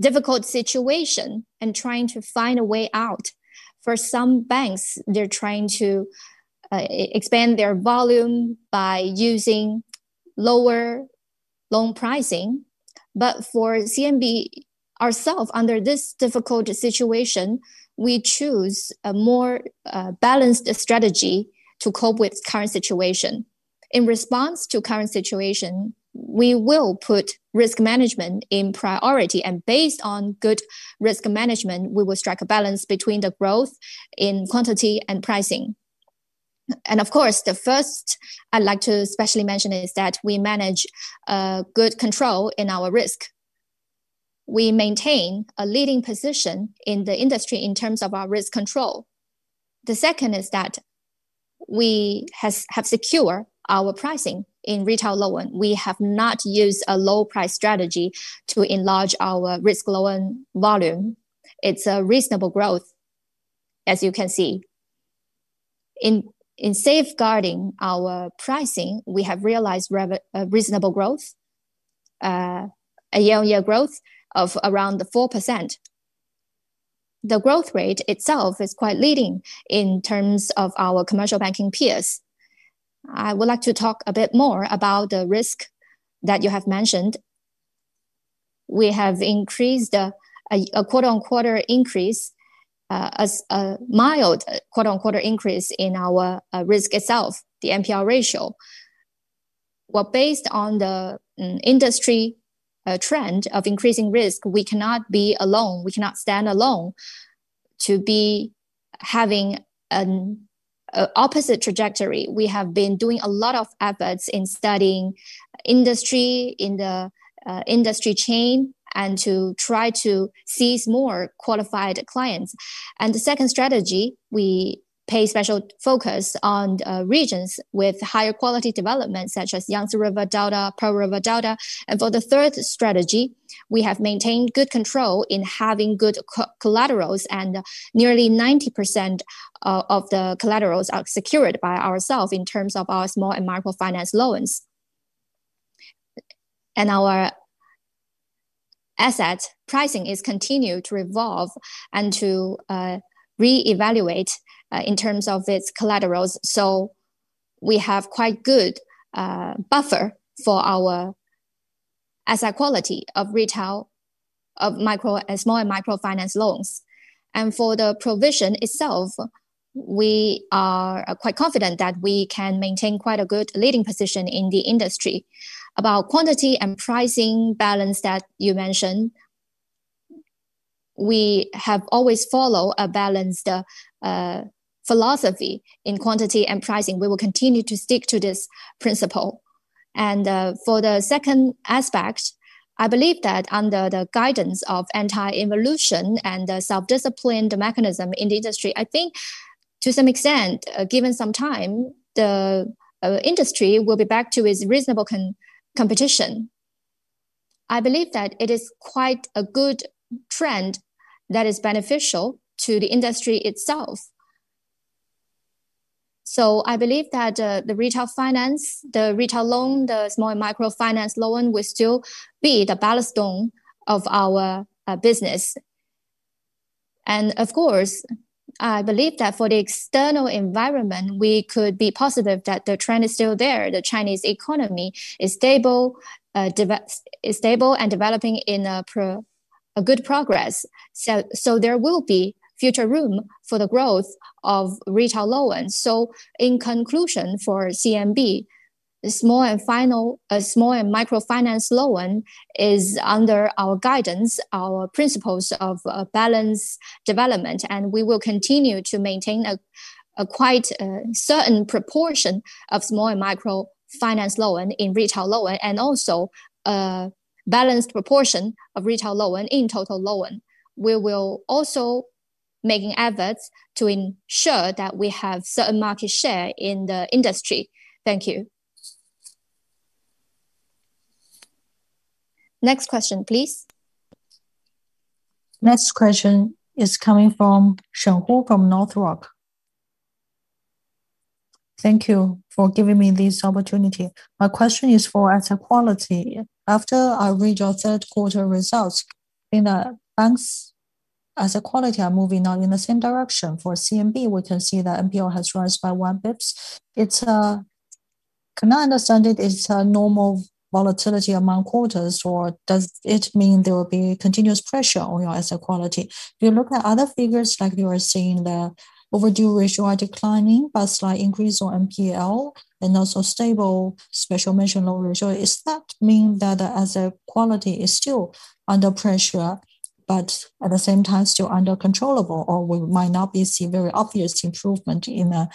difficult situation and trying to find a way out. For some banks, they're trying to expand their volume by using lower loan pricing. For CMB ourself, under this difficult situation, we choose a more balanced strategy to cope with the current situation. In response to the current situation, we will put risk management in priority. Based on good risk management, we will strike a balance between the growth in quantity and pricing. The first I'd like to especially mention is that we manage good control in our risk. We maintain a leading position in the industry in terms of our risk control. The second is that we have secured our pricing in retail loan. We have not used a low-price strategy to enlarge our risk loan volume. It's a reasonable growth. As you can see, in safeguarding our pricing, we have realized reasonable growth. A year-on-year growth of around 4%. The growth rate itself is quite leading in terms of our commercial banking peers. I would like to talk a bit more about the risk that you have mentioned. We have increased a quarter-on-quarter increase, a mild quarter-on-quarter increase in our risk itself, the NPL ratio. Based on the industry trend of increasing risk, we cannot be alone. We cannot stand alone to be having an opposite trajectory. We have been doing a lot of efforts in studying industry in the industry chain and to try to seize more qualified clients. The second strategy, we pay special focus on regions with higher quality development such as Yangtze River Delta, Pearl River Delta. For the third strategy, we have maintained good control in having good collaterals, and nearly 90% of the collaterals are secured by ourselves in terms of our small and microfinance loans. Our asset pricing is continued to evolve and to re-evaluate in terms of its collaterals. We have quite good buffer for our asset quality of micro and microfinance loans. For the provision itself, we are quite confident that we can maintain quite a good leading position in the industry. About quantity and pricing balance that you mentioned, we have always followed a balanced philosophy in quantity and pricing. We will continue to stick to this principle. For the second aspect, I believe that under the guidance of Anti-evolution and the self-disciplined mechanism in the industry, I think to some extent, given some time, the industry will be back to its reasonable competition. I believe that it is quite a good trend that is beneficial to the industry itself. I believe that the retail finance, the retail loan, the small microfinance loan will still be the ballast stone of our business. Of course, I believe that for the external environment, we could be positive that the trend is still there. The Chinese economy is stable and developing in a good progress. There will be future room for the growth of retail loans. In conclusion, for CMB, small and microfinance loan is under our guidance, our principles of balanced development. We will continue to maintain a quite certain proportion of small and microfinance loan in retail loan and also a balanced proportion of retail loan in total loan. We will also make efforts to ensure that we have certain market share in the industry. Thank you. Next question, please. Next question is coming from Shen Hu from North Rock. Thank you for giving me this opportunity. My question is for asset quality. After I read your third quarter results, in the banks' asset quality are moving now in the same direction. For CMB, we can see that NPL has risen by one bps. I cannot understand it. It's a normal volatility among quarters or does it mean there will be continuous pressure on your asset quality? If you look at other figures, like you are seeing the overdue ratio are declining, but slight increase on NPL and also stable special mention loan ratio, does that mean that the asset quality is still under pressure, but at the same time still under controllable? Or we might not see very obvious improvement in the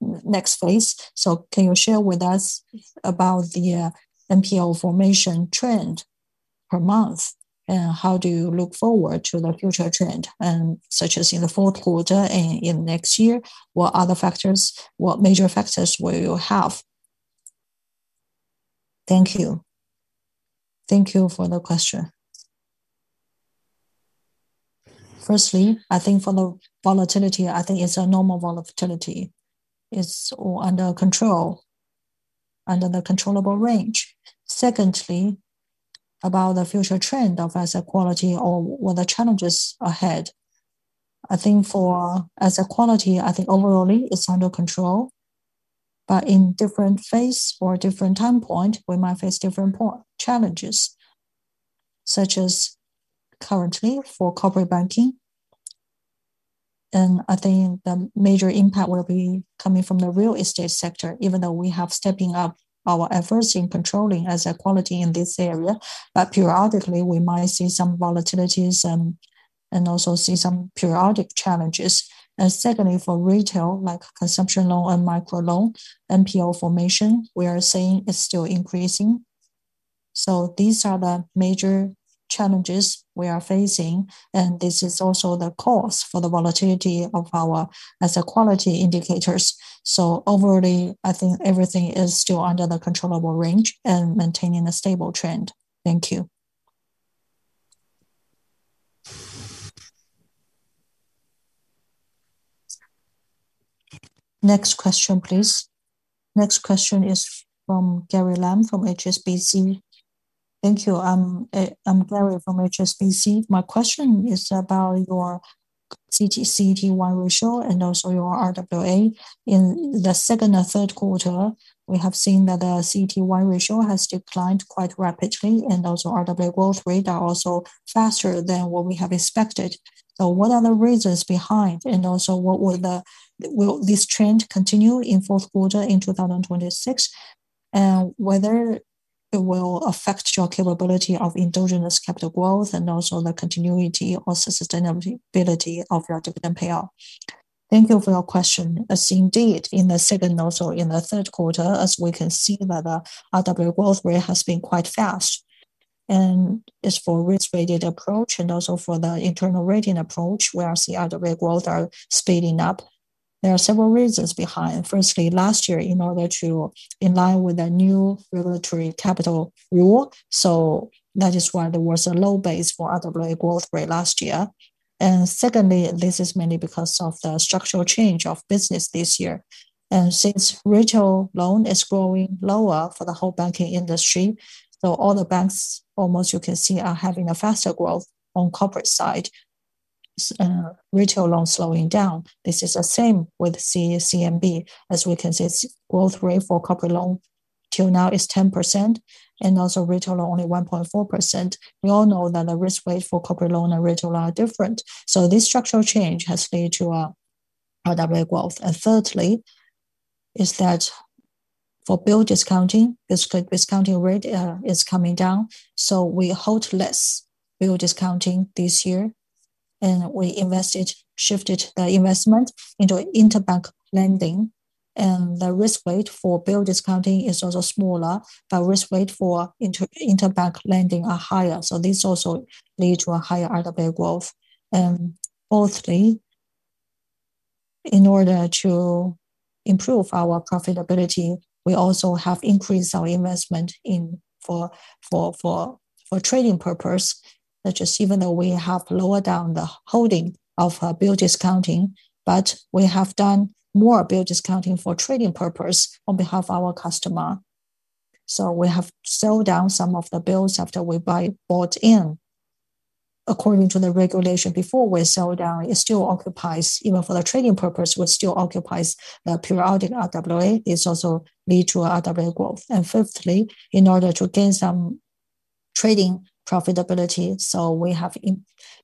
next phase? Can you share with us about the NPL formation trend per month? How do you look forward to the future trend, such as in the fourth quarter and in next year? What other factors, what major factors will you have? Thank you. Thank you for the question. Firstly, I think for the volatility, I think it's a normal volatility. It's under control, under the controllable range. Secondly, about the future trend of asset quality or the challenges ahead. I think for asset quality, I think overall it's under control, but in different phases or different time points, we might face different challenges. Such as currently for corporate banking, I think the major impact will be coming from the real estate sector, even though we have stepping up our efforts in controlling asset quality in this area. Periodically, we might see some volatilities and also see some periodic challenges. Secondly, for retail, like consumption loan and microloan, NPL formation, we are seeing it's still increasing. These are the major challenges we are facing. This is also the cause for the volatility of our asset quality indicators. Overall, I think everything is still under the controllable range and maintaining a stable trend. Thank you. Next question, please. Next question is from Gary Lam from HSBC. Thank you. I'm Gary from HSBC. My question is about your CET1 ratio and also your RWA. In the second and third quarter, we have seen that the CET1 ratio has declined quite rapidly, and also RWA growth rate are also faster than what we have expected. What are the reasons behind? Will this trend continue in fourth quarter in 2026? Whether it will affect your capability of endogenous capital growth and also the continuity or sustainability of your dividend payout. Thank you for your question. Indeed, in the second and also in the third quarter, as we can see, the RWA growth rate has been quite fast. It's for risk-rated approach and also for the internal rating approach, where I see RWA growth are speeding up. There are several reasons behind. Firstly, last year, in order to align with the new regulatory capital rule, that is why there was a low base for RWA growth rate last year. Secondly, this is mainly because of the structural change of business this year. Since retail loan is growing lower for the whole banking industry, all the banks almost you can see are having a faster growth on the corporate side. Retail loan is slowing down. This is the same with CMB. As we can see, growth rate for corporate loan till now is 10%, and also retail loan only 1.4%. We all know that the risk rate for corporate loan and retail loan are different. This structural change has led to RWA growth. Thirdly, for bill discounting, the discounting rate is coming down. We hold less bill discounting this year, and we shifted the investment into interbank lending. The risk rate for bill discounting is also smaller, but risk rates for interbank lending are higher. This also leads to a higher RWA growth. Fourthly, in order to improve our profitability, we also have increased our investment for trading purpose, such as even though we have lowered down the holding of bill discounting, we have done more bill discounting for trading purpose on behalf of our customer. We have sold down some of the bills after we bought in. According to the regulation, before we sold down, it still occupies, even for the trading purpose, it still occupies the periodic RWA. It also leads to RWA growth. Fifthly, in order to gain some trading profitability, we have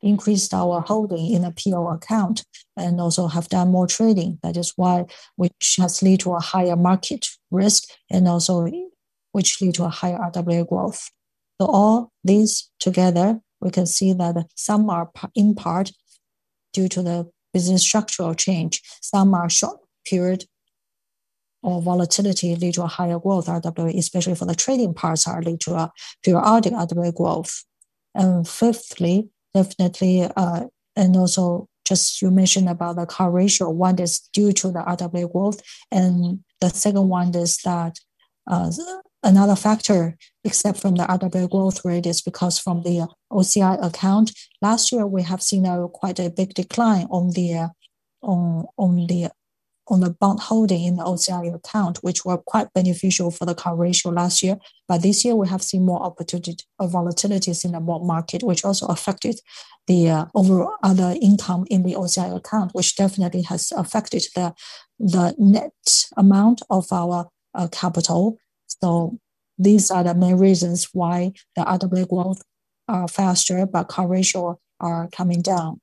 increased our holding in a PO account and also have done more trading. That is why which has led to a higher market risk and also which led to a higher RWA growth. All these together, we can see that some are in part due to the business structural change. Some are short period or volatility lead to a higher growth RWA, especially for the trading parts are lead to a periodic RWA growth. Fifthly, definitely, and also just you mentioned about the CAR ratio. One is due to the RWA growth. The second one is that another factor except from the RWA growth rate is because from the OCI account, last year we have seen quite a big decline on the bond holding in the OCI account, which were quite beneficial for the CAR ratio last year. This year, we have seen more volatilities in the bond market, which also affected the overall other income in the OCI account, which definitely has affected the. Net amount of our capital. These are the main reasons why the RWA growth are faster, but CAR ratio are coming down.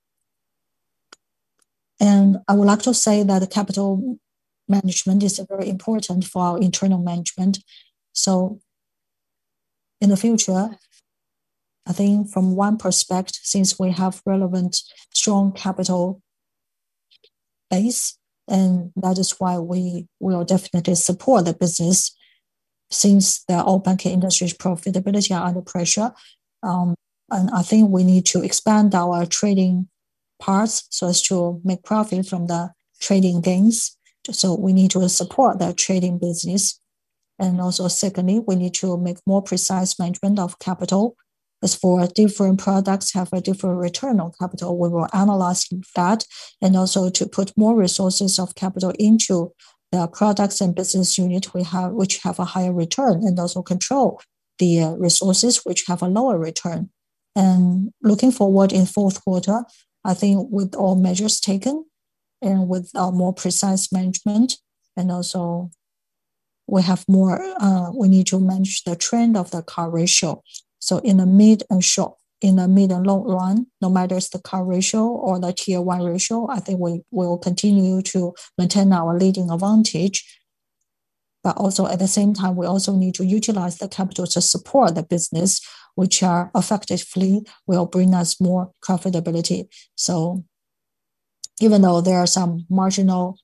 I would like to say that capital management is very important for our internal management. In the future, I think from one perspective, since we have relevant strong capital base, that is why we will definitely support the business. Since the all banking industry's profitability are under pressure, I think we need to expand our trading parts so as to make profit from the trading gains. We need to support the trading business. Also, we need to make more precise management of capital. As for different products have a different return on capital, we will analyze that, and also to put more resources of capital into the products and business units which have a higher return and also control the resources which have a lower return. Looking forward in fourth quarter, I think with all measures taken and with more precise management, we have more, we need to manage the trend of the CAR ratio. In the mid and long run, no matter the CAR ratio or the Tier 1 ratio, I think we will continue to maintain our leading advantage. At the same time, we also need to utilize the capital to support the business, which effectively will bring us more profitability. Even though there are some marginal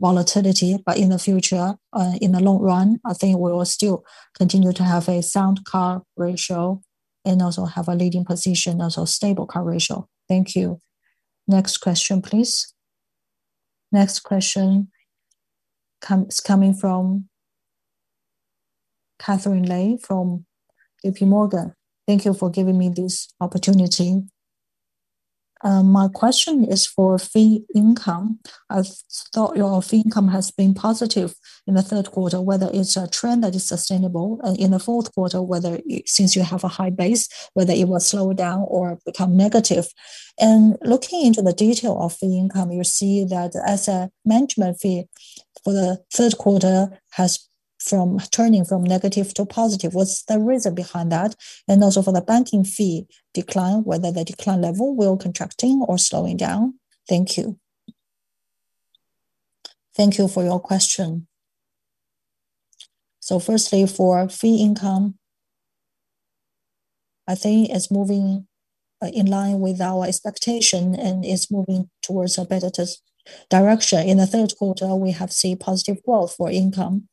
volatility, in the long run, I think we will still continue to have a sound CAR ratio and also have a leading position, also stable CAR ratio. Thank you. Next question, please. Next question is coming from Katherine Lei from JPMorgan. Thank you for giving me this opportunity. My question is for fee income. I thought your fee income has been positive in the third quarter, whether it's a trend that is sustainable, and in the fourth quarter, since you have a high base, whether it will slow down or become negative. Looking into the detail of fee income, you see that as a management fee for the third quarter has from turning from negative to positive. What's the reason behind that? Also for the banking fee decline, whether the decline level will contracting or slowing down. Thank you. Thank you for your question. Firstly, for fee income, I think it's moving in line with our expectation and it's moving towards a better direction. In the third quarter, we have seen positive growth for income.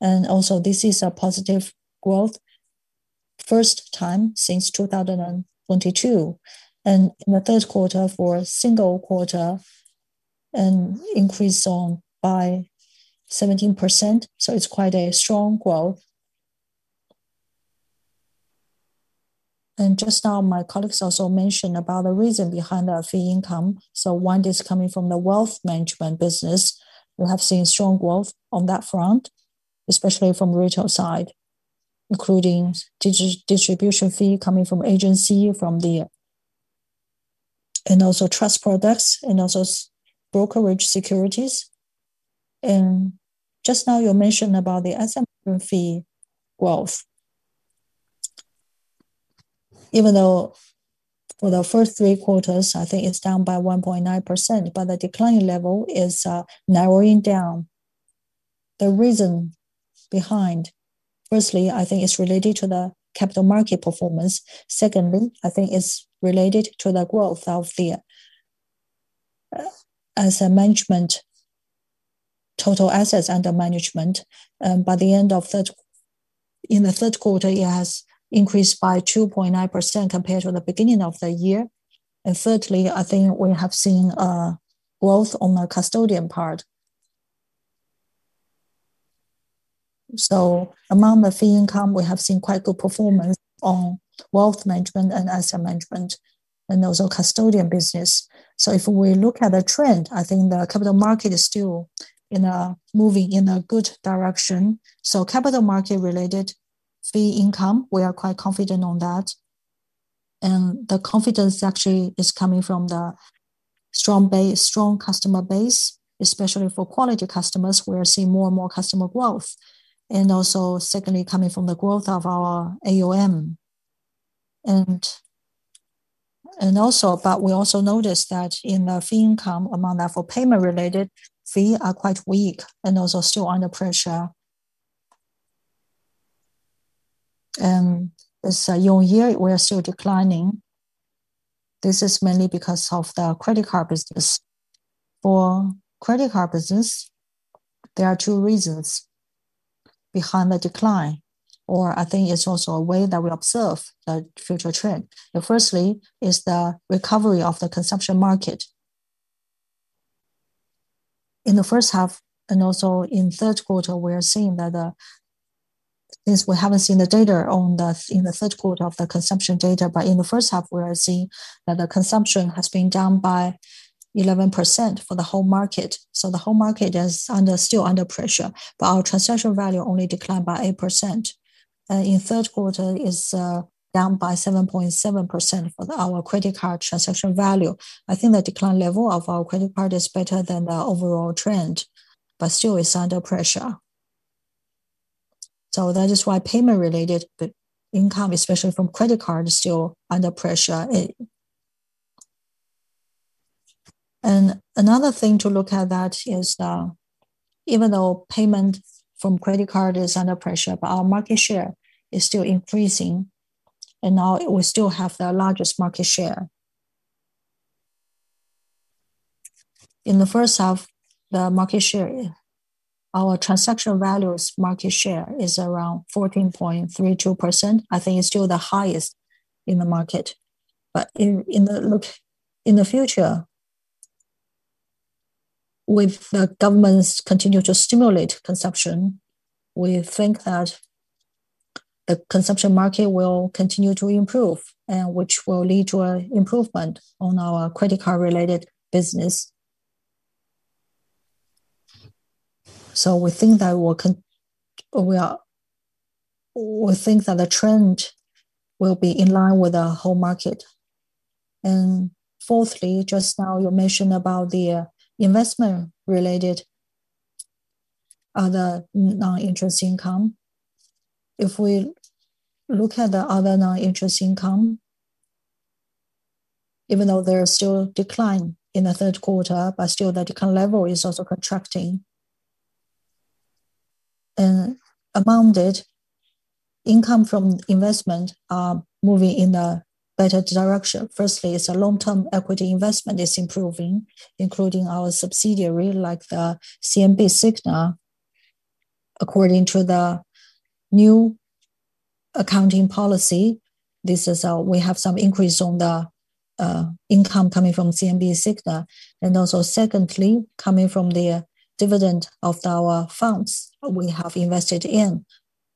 This is a positive growth first time since 2022. In the third quarter for a single quarter, it increased by 17%. It's quite a strong growth. Just now, my colleagues mentioned about the reason behind the fee income. One is coming from the wealth management business. We have seen strong growth on that front, especially from the retail side, including distribution fee coming from agency, from the trust products, and also brokerage securities. Just now you mentioned about the SMM fee growth. Even though for the first three quarters, I think it's down by 1.9%, the decline level is narrowing down. The reason behind, firstly, I think it's related to the capital market performance. Secondly, I think it's related to the growth of the SMM management total assets under management. By the end of the third quarter, it has increased by 2.9% compared to the beginning of the year. Thirdly, I think we have seen a growth on the custodian part. Among the fee income, we have seen quite good performance on wealth management and asset management, and also custodian business. If we look at the trend, I think the capital market is still moving in a good direction. Capital market-related fee income, we are quite confident on that. The confidence actually is coming from the strong customer base, especially for quality customers. We are seeing more and more customer growth. Secondly, coming from the growth of our AUM. Also, we noticed that in the fee income, among that, payment-related fee are quite weak and also still under pressure. This year we are still declining. This is mainly because of the credit card business. For credit card business, there are two reasons behind the decline, or I think it's also a way that we observe the future trend. Firstly is the recovery of the consumption market. In the first half and also in third quarter, we are seeing that, since we haven't seen the data in the third quarter of the consumption data, but in the first half, we are seeing that the consumption has been down by 11% for the whole market. The whole market is still under pressure, but our transaction value only declined by 8%. In third quarter, it's down by 7.7% for our credit card transaction value. I think the decline level of our credit card is better than the overall trend, but still it's under pressure. That is why payment-related income, especially from credit card, is still under pressure. Another thing to look at is, even though payment from credit card is under pressure, our market share is still increasing. We still have the largest market share. In the first half, our transaction value's market share is around 14.32%. I think it's still the highest in the market. In the future, with the government's continued efforts to stimulate consumption, we think that the consumption market will continue to improve, which will lead to an improvement in our credit card-related business. We think that the trend will be in line with the whole market. Fourthly, just now you mentioned about the investment-related other non-interest income. If we look at the other non-interest income, even though there is still a decline in the third quarter, the decline level is also contracting. Among it, income from investment is moving in a better direction. Firstly, it's a long-term equity investment that's improving, including our subsidiary like CMB Signa. According to the new accounting policy, this is how we have some increase in the income coming from CMB Signa. Secondly, income is coming from the dividend of our funds we have invested in.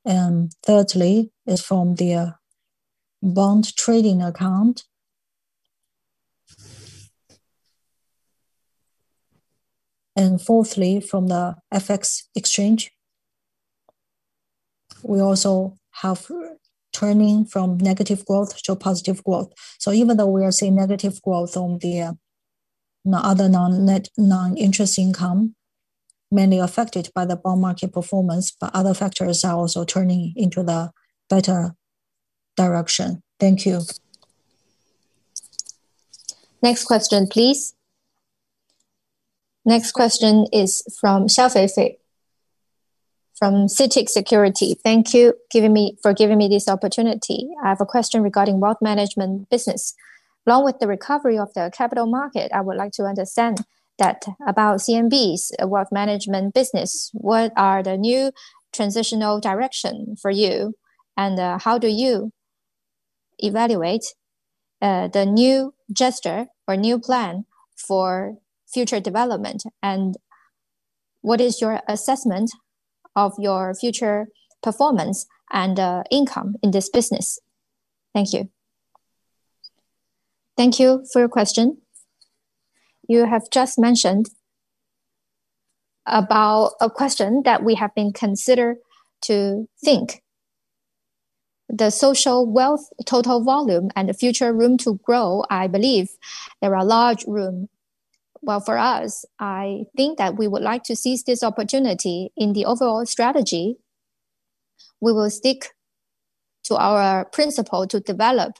Thirdly, it's from the bond trading account. Fourthly, from the FX exchange, we also have turned from negative growth to positive growth. Even though we are seeing negative growth on the other non-interest income, mainly affected by the bond market performance, other factors are also turning in a better direction. Thank you. Next question, please. Next question is from Xiao Feifei from CITIC Securities. Thank you for giving me this opportunity. I have a question regarding wealth management business. Along with the recovery of the capital market, I would like to understand about CMB's wealth management business, what are the new transitional direction for you, and how do you evaluate the new gesture or new plan for future development, and what is your assessment of your future performance and income in this business? Thank you. Thank you for your question. You have just mentioned about a question that we have been considered to think. The social wealth total volume and the future room to grow, I believe there are large room. For us, I think that we would like to seize this opportunity in the overall strategy. We will stick to our principle to develop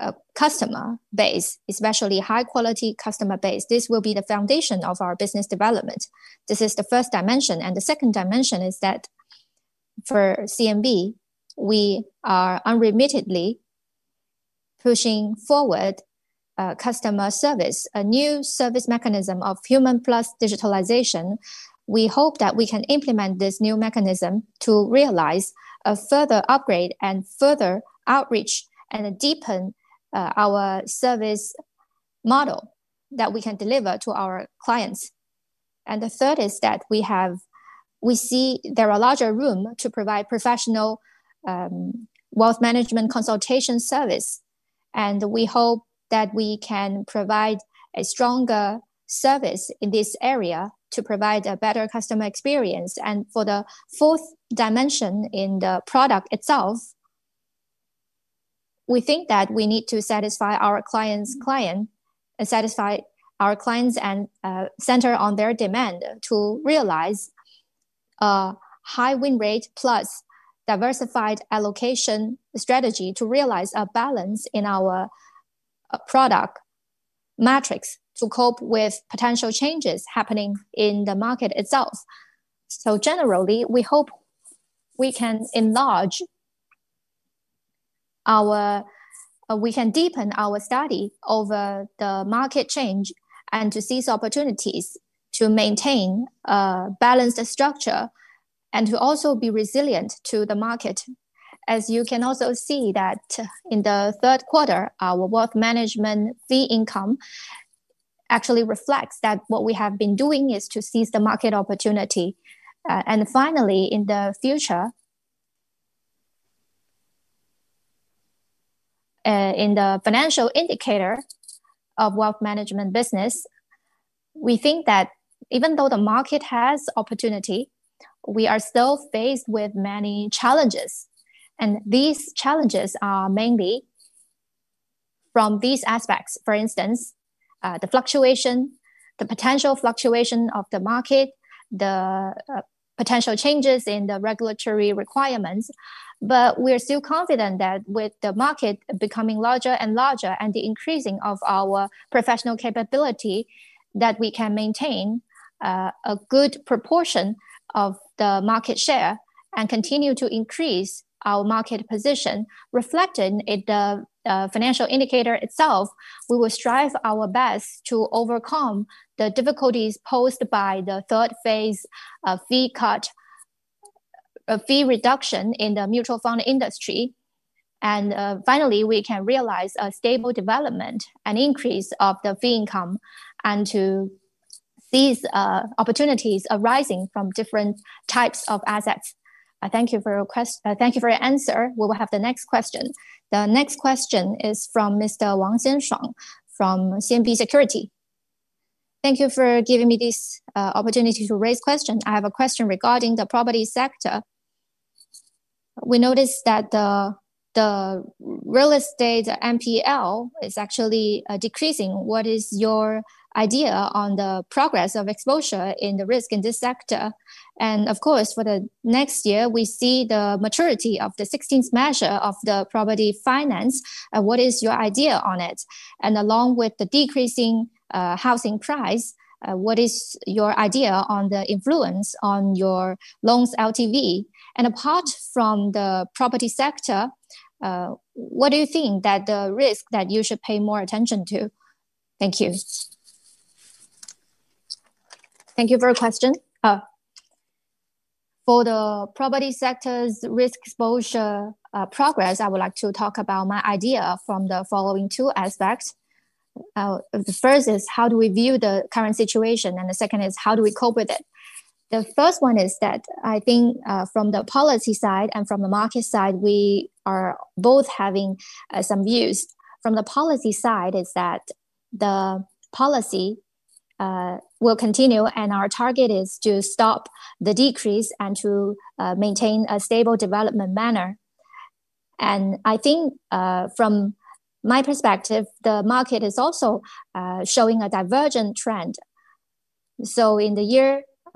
a customer base, especially high-quality customer base. This will be the foundation of our business development. This is the first dimension. The second dimension is that for CMB, we are unremittedly pushing forward customer service, a new service mechanism of human plus digitalization. We hope that we can implement this new mechanism to realize a further upgrade and further outreach and deepen our service model that we can deliver to our clients. The third is that we see there are larger room to provide professional wealth management consultation service. We hope that we can provide a stronger service in this area to provide a better customer experience. For the fourth dimension in the product itself, we think that we need to satisfy our clients, satisfy our clients and center on their demand to realize a high win rate plus diversified allocation strategy to realize a balance in our product metrics to cope with potential changes happening in the market itself. Generally, we hope we can enlarge our, we can deepen our study over the market change and to seize opportunities to maintain a balanced structure and to also be resilient to the market. As you can also see that in the third quarter, our wealth management fee income actually reflects that what we have been doing is to seize the market opportunity. Finally, in the future, in the financial indicator of wealth management business, we think that even though the market has opportunity, we are still faced with many challenges. These challenges are mainly from these aspects. For instance, the fluctuation, the potential fluctuation of the market, the potential changes in the regulatory requirements. We are still confident that with the market becoming larger and larger and the increasing of our professional capability, we can maintain a good proportion of the market share and continue to increase our market position. Reflected in the financial indicator itself, we will strive our best to overcome the difficulties posed by the third phase fee cut, fee reduction in the mutual fund industry. Finally, we can realize a stable development and increase of the fee income and seize opportunities arising from different types of assets. Thank you for your answer. We will have the next question. The next question is from Mr. Wang Zhengshang from CMB Securities. Thank you for giving me this opportunity to raise a question. I have a question regarding the property sector. We noticed that the real estate NPL is actually decreasing. What is your idea on the progress of exposure in the risk in this sector? For the next year, we see the maturity of the 16th measure of the property finance. What is your idea on it? Along with the decreasing housing price, what is your idea on the influence on your loans' LTV? Apart from the property sector, what do you think that the risk that you should pay more attention to? Thank you. Thank you for your question. For the property sector's risk exposure progress, I would like to talk about my idea from the following two aspects. The first is how do we view the current situation, and the second is how do we cope with it? The first one is that I think from the policy side and from the market side, we are both having some views. From the policy side, the policy will continue, and our target is to stop the decrease and to maintain a stable development manner. I think from my perspective, the market is also showing a divergent trend.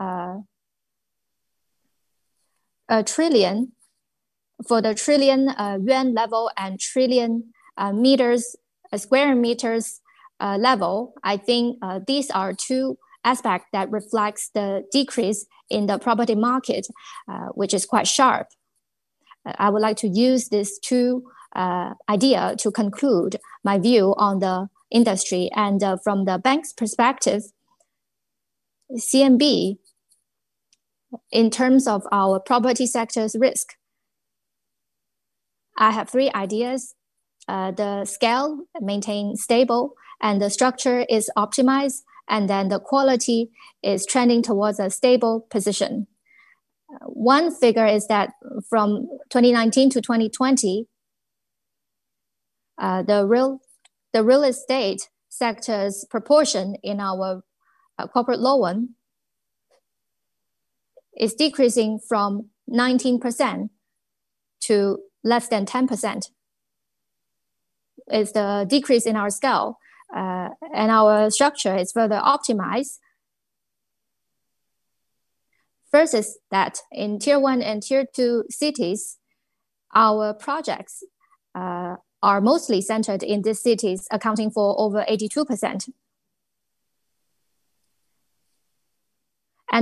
In the year, trillion. For the trillion yuan level and trillion square meters level, I think these are two aspects that reflect the decrease in the property market, which is quite sharp. I would like to use these two ideas to conclude my view on the industry. From the bank's perspective, CMB, in terms of our property sector's risk, I have three ideas. The scale maintained stable, and the structure is optimized, and then the quality is trending towards a stable position. One figure is that from 2019 to 2020. Real estate sector's proportion in our corporate loan is decreasing from 19% to less than 10%. It's the decrease in our scale, and our structure is further optimized. First is that in Tier 1 and Tier 2 cities, our projects are mostly centered in these cities, accounting for over 82%.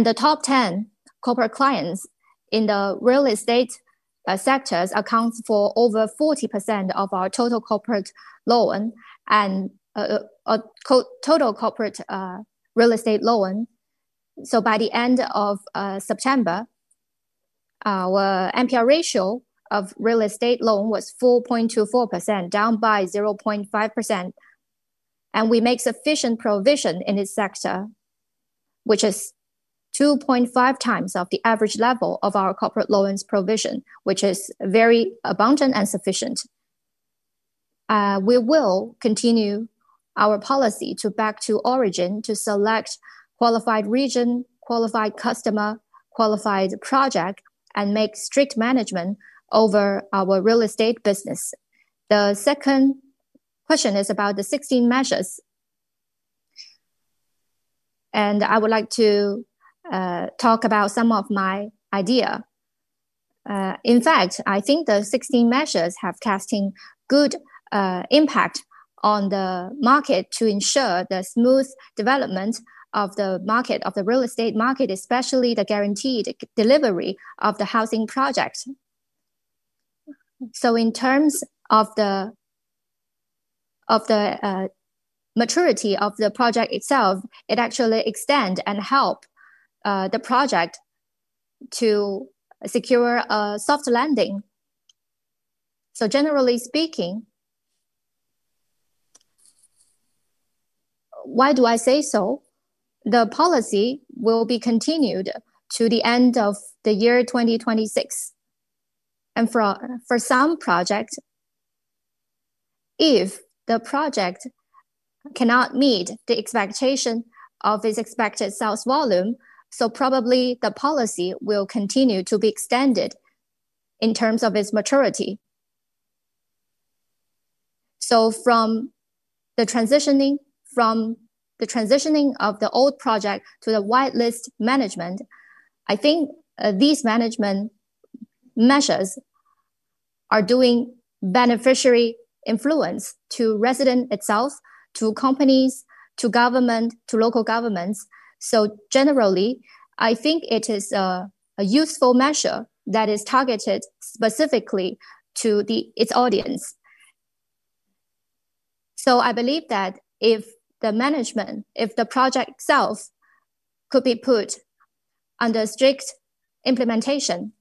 The top 10 corporate clients in the real estate sectors account for over 40% of our total corporate loan and total corporate real estate loan. By the end of September, our NPL ratio of real estate loan was 4.24%, down by 0.5%. We make sufficient provision in this sector, which is 2.5 times the average level of our corporate loans provision, which is very abundant and sufficient. We will continue our policy to back to origin to select qualified region, qualified customer, qualified project, and make strict management over our real estate business. The second question is about the 16 Measures, and I would like to talk about some of my ideas. In fact, I think the 16 Measures have cast a good impact on the market to ensure the smooth development of the market, of the real estate market, especially the guaranteed delivery of the housing project. In terms of the maturity of the project itself, it actually extends and helps the project to secure a soft landing. Generally speaking, the policy will be continued to the end of the year 2026. For some projects, if the project cannot meet the expectation of its expected sales volume, probably the policy will continue to be extended in terms of its maturity. From the transitioning of the old project to the Whitelist management, I think these management measures are doing beneficiary influence to residents itself, to companies, to government, to local governments. Generally, I think it is a useful measure that is targeted specifically to its audience. I believe that if the management, if the project itself could be put under strict implementation,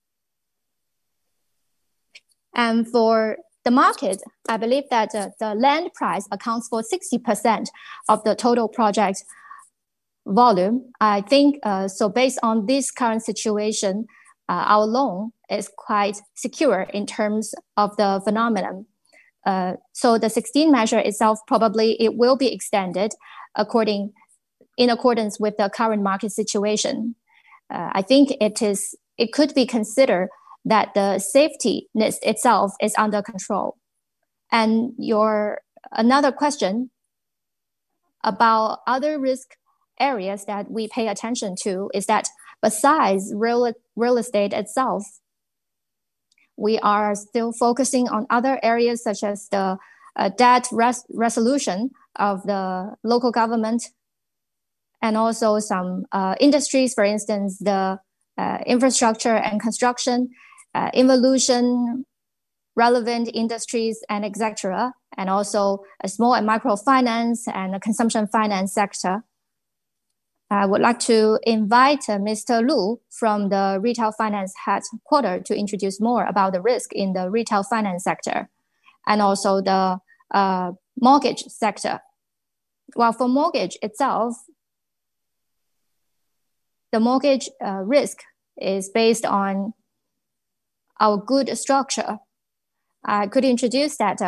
for the market, I believe that the land price accounts for 60% of the total project volume. I think so based on this current situation, our loan is quite secure in terms of the phenomenon. The 16 Measures itself, probably it will be extended in accordance with the current market situation. I think it could be considered that the safety net itself is under control. Your another question about other risk areas that we pay attention to is that besides real estate itself. We are still focusing on other areas such as the debt resolution of the local government. Also, some industries, for instance, the infrastructure and construction, evolution, relevant industries, etc., and also small and microfinance and consumption finance sector. I would like to invite Mr. Liu from the Retail Finance Headquarter to introduce more about the risk in the retail finance sector and also the mortgage sector. For mortgage itself, the mortgage risk is based on our good structure. I could introduce that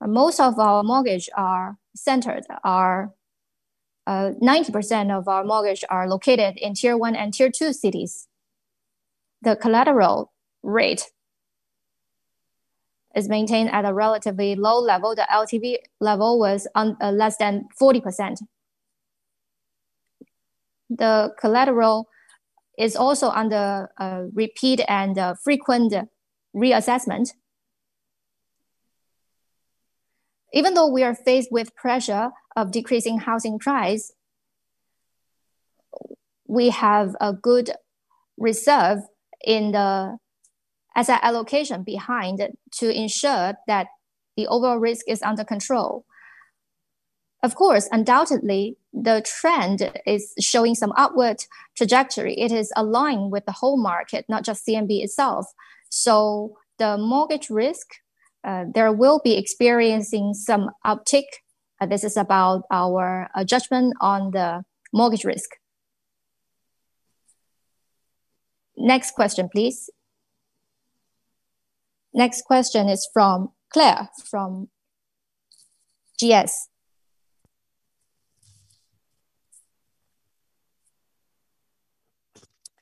most of our mortgages are centered. 90% of our mortgages are located in Tier 1 and Tier 2 cities. The collateral rate is maintained at a relatively low level. The LTV level was less than 40%. The collateral is also under repeat and frequent reassessment. Even though we are faced with pressure of decreasing housing price, we have a good reserve in the asset allocation behind to ensure that the overall risk is under control. Of course, undoubtedly, the trend is showing some upward trajectory. It is aligned with the whole market, not just CMB itself. The mortgage risk will be experiencing some uptick. This is about our judgment on the mortgage risk. Next question, please. Next question is from Claire from GS.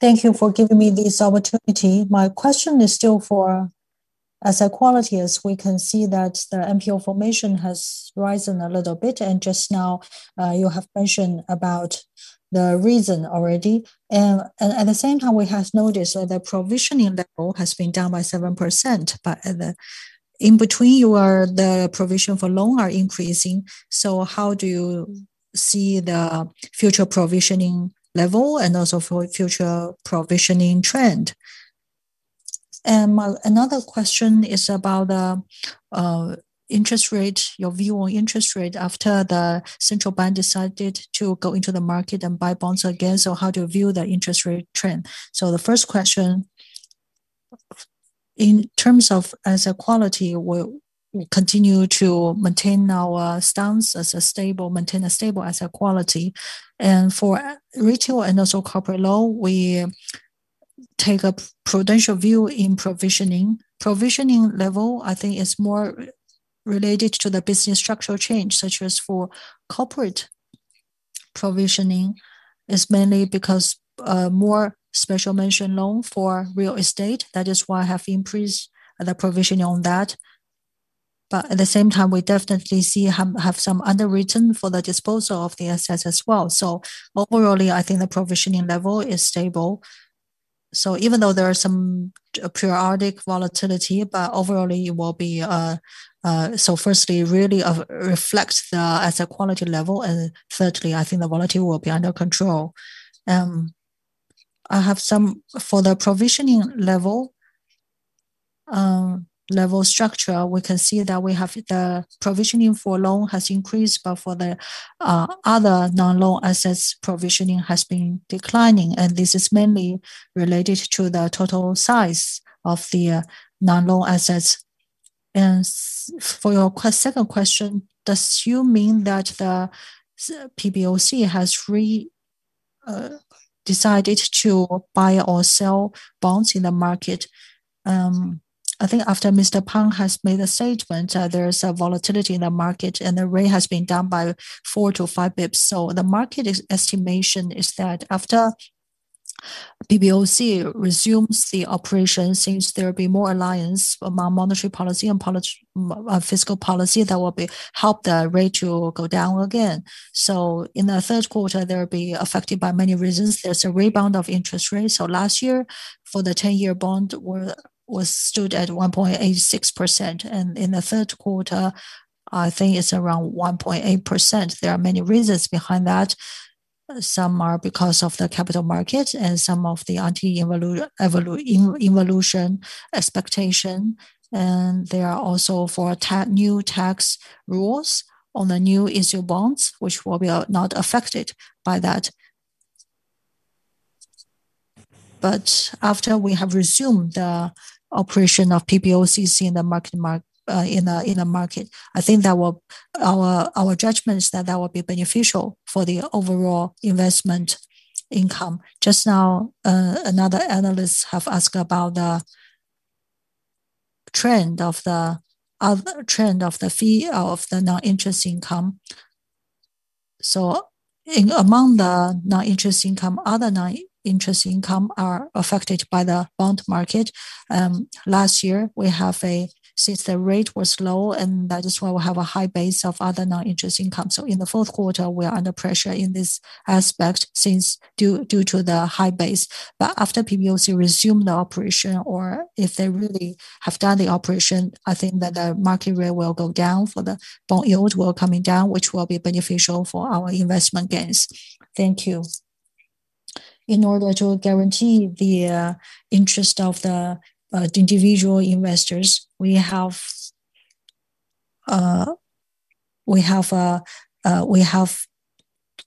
Thank you for giving me this opportunity. My question is still for asset quality. As we can see, the NPL formation has risen a little bit. Just now, you have mentioned the reason already. At the same time, we have noticed that the provisioning level has been down by 7%. In between, the provision for loan is increasing. How do you see the future provisioning level and also future provisioning trend? Another question is about the interest rate, your view on interest rate after the central bank decided to go into the market and buy bonds again. How do you view the interest rate trend? The first question, in terms of asset quality, we continue to maintain our stance as a stable, maintain a stable asset quality. For retail and also corporate loan, we take a prudential view in provisioning. Provisioning level, I think, is more related to the business structure change, such as for corporate provisioning. It's mainly because more special mention loan for real estate. That is why I have increased the provisioning on that. At the same time, we definitely have some underwritten for the disposal of the assets as well. Overall, I think the provisioning level is stable. Even though there is some periodic volatility, overall, it will be. Firstly, really reflects the asset quality level. Thirdly, I think the volatility will be under control. I have some for the provisioning level structure. We can see that we have the provisioning for loan has increased, but for the other non-loan assets, provisioning has been declining. This is mainly related to the total size of the non-loan assets. For your second question, do you mean that the PBOC has decided to buy or sell bonds in the market? I think after Mr. Peng has made a statement that there is a volatility in the market and the rate has been down by four to five bps. The market estimation is that after PBOC resumes the operation, since there will be more alliance among monetary policy and fiscal policy, that will help the rate to go down again. In the third quarter, there will be affected by many reasons. There's a rebound of interest rates. Last year, for the 10-year bond, was stood at 1.86%. In the third quarter, I think it's around 1.8%. There are many reasons behind that. Some are because of the capital market and some of the anti-evolution expectation. There are also four new tax rules on the new issue bonds, which will not be affected by that. After we have resumed the operation of PBOC in the market, I think that our judgment is that will be beneficial for the overall investment income. Just now, another analyst has asked about the trend of the fee of the non-interest income. Among the non-interest income, other non-interest income is affected by the bond market. Last year, since the rate was low, that is why we have a high base of other non-interest income. In the fourth quarter, we are under pressure in this aspect due to the high base. After PBOC resumed the operation, or if they really have done the operation, I think that the market rate will go down, the bond yield will come down, which will be beneficial for our investment gains. Thank you. In order to guarantee the interest of the individual investors, we have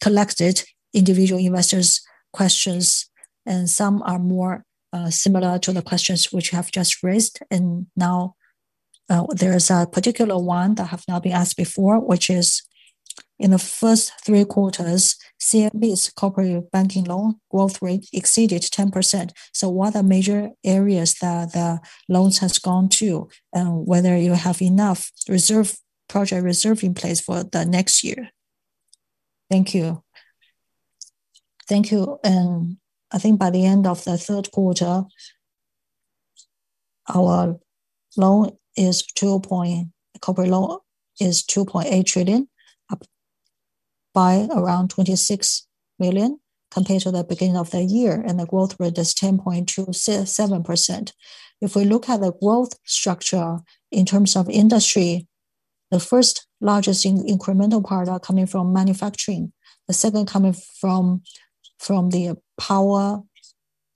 collected individual investors' questions, and some are more similar to the questions which you have just raised. There is a particular one that has not been asked before, which is: In the first three quarters, CMB's corporate banking loan growth rate exceeded 10%. What are major areas that the loans have gone to, and whether you have enough project reserve in place for the next year? Thank you. I think by the end of the third quarter, our loan is 2.8 trillion, by around 26 million compared to the beginning of the year, and the growth rate is 10.27%. If we look at the growth structure in terms of industry, the first largest incremental part is coming from manufacturing. The second is coming from the power,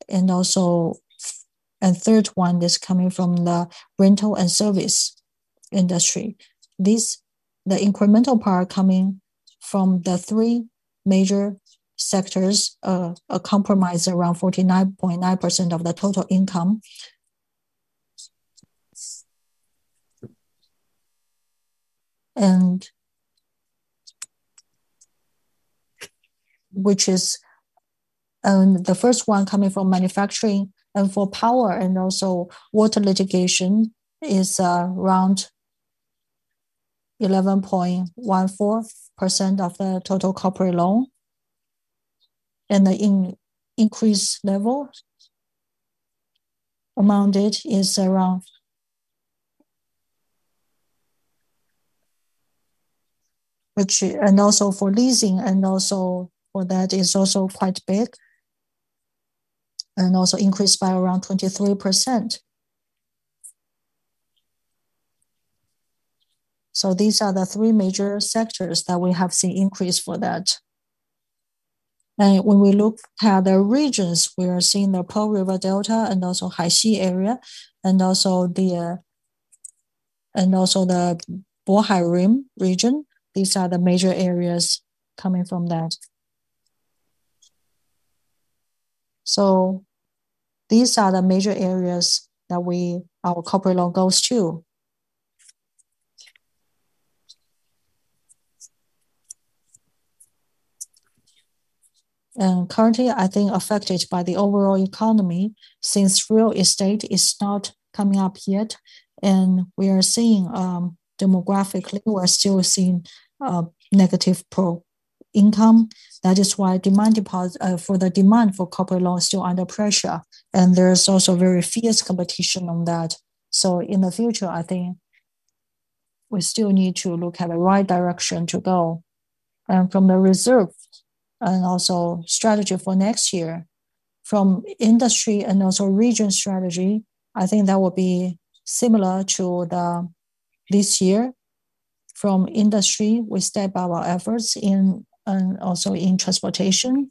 and the third one is coming from the rental and service industry. The incremental part coming from the three major sectors comprises around 49.9% of the total income. The first one is coming from manufacturing, and for power and also water litigation, it is around 11.14% of the total corporate loan. The increase level amounted is around, and also for leasing, and also for that is also quite big, and also increased by around 23%. These are the three major sectors that we have seen increase for that. When we look at the regions, we are seeing the Pearl River Delta and also high sea area, and also the Bohai Rim region. These are the major areas coming from that. These are the major areas that our corporate loan goes to. Currently, I think affected by the overall economy since real estate is not coming up yet. We are seeing demographically, we're still seeing negative per income. That is why demand for corporate loan is still under pressure. There is also very fierce competition on that. In the future, I think we still need to look at the right direction to go. From the reserve and also strategy for next year, from industry and also region strategy, I think that will be similar to this year. From industry, we step up our efforts and also in transportation.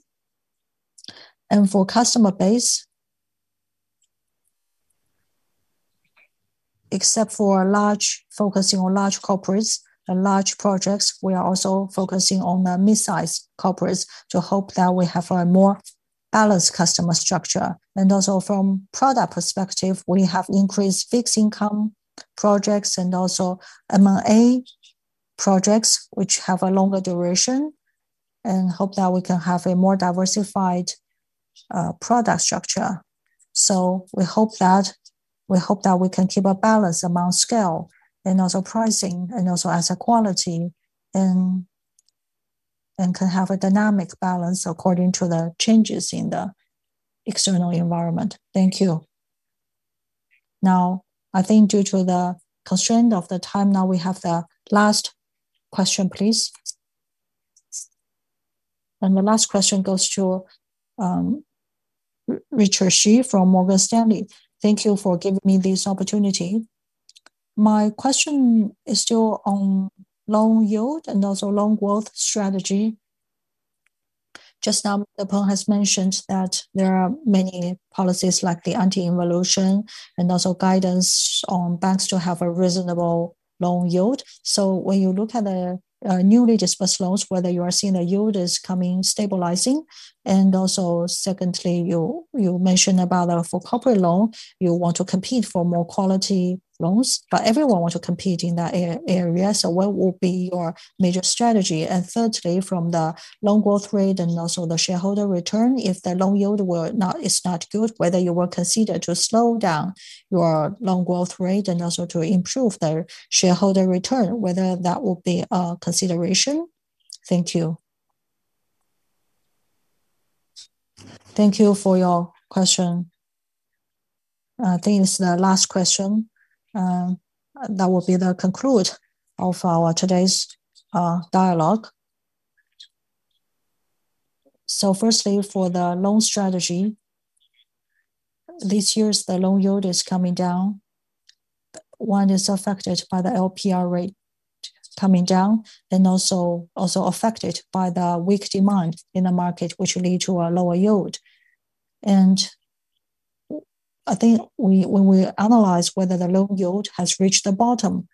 For customer base, except for focusing on large corporates and large projects, we are also focusing on the mid-size corporates to hope that we have a more balanced customer structure. Also, from product perspective, we have increased fixed income projects and also M&A projects, which have a longer duration, and hope that we can have a more diversified product structure. We hope that we can keep a balance among scale and also pricing and also asset quality and can have a dynamic balance according to the changes in the external environment. Thank you. Now, I think due to the constraint of the time now, we have the last question, please. The last question goes to Richard Xu from Morgan Stanley. Thank you for giving me this opportunity. My question is still on loan yield and also loan growth strategy. Just now, Mr. Peng has mentioned that there are many policies like the anti-evolution and also guidance on banks to have a reasonable loan yield. When you look at the newly disbursed loans, whether you are seeing the yield is coming stabilizing. Secondly, you mentioned about for corporate loan, you want to compete for more quality loans. Everyone wants to compete in that area. What will be your major strategy? Thirdly, from the loan growth rate and also the shareholder return, if the loan yield is not good, whether you will consider to slow down your loan growth rate and also to improve the shareholder return, whether that will be a consideration? Thank you. Thank you for your question. I think it's the last question. That will be the conclude of our today's dialogue. Firstly, for the loan strategy, this year's loan yield is coming down. One is affected by the LPR rate coming down and also affected by the weak demand in the market, which will lead to a lower yield. I think when we analyze whether the loan yield has reached the bottom.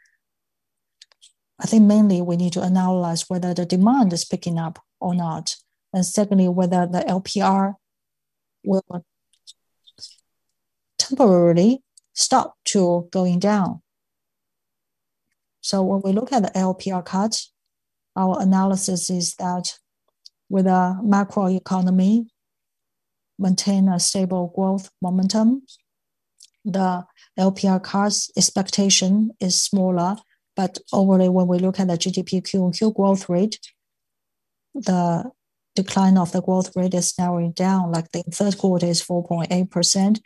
I think mainly we need to analyze whether the demand is picking up or not. Secondly, whether the LPR will temporarily stop going down. When we look at the LPR cut, our analysis is that with a macro economy maintaining a stable growth momentum, the LPR cut expectation is smaller. Overall, when we look at the GDP Q/Q growth rate, the decline of the growth rate is narrowing down. Like the third quarter is 4.8%.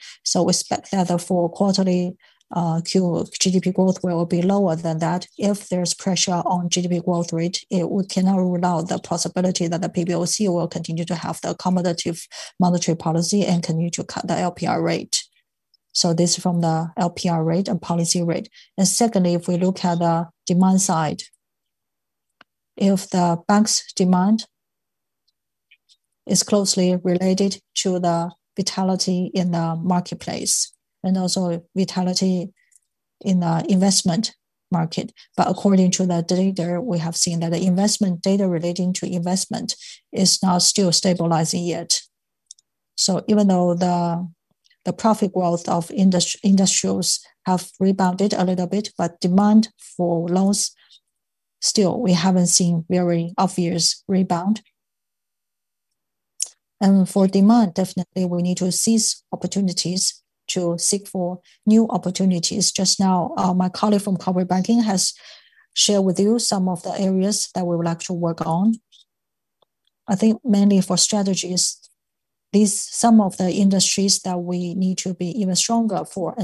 We expect that the four-quarterly GDP growth will be lower than that. If there's pressure on GDP growth rate, we cannot rule out the possibility that the PBOC will continue to have the accommodative monetary policy and continue to cut the LPR rate. This is from the LPR rate and policy rate. Secondly, if we look at the demand side, if the bank's demand is closely related to the vitality in the marketplace and also vitality in the investment market. According to the data, we have seen that the investment data relating to investment is not still stabilizing yet. Even though the profit growth of industries have rebounded a little bit, demand for loans, still, we haven't seen very obvious rebound. For demand, definitely we need to seize opportunities to seek for new opportunities. Just now, my colleague from corporate banking has shared with you some of the areas that we would like to work on. I think mainly for strategies, some of the industries that we need to be even stronger for.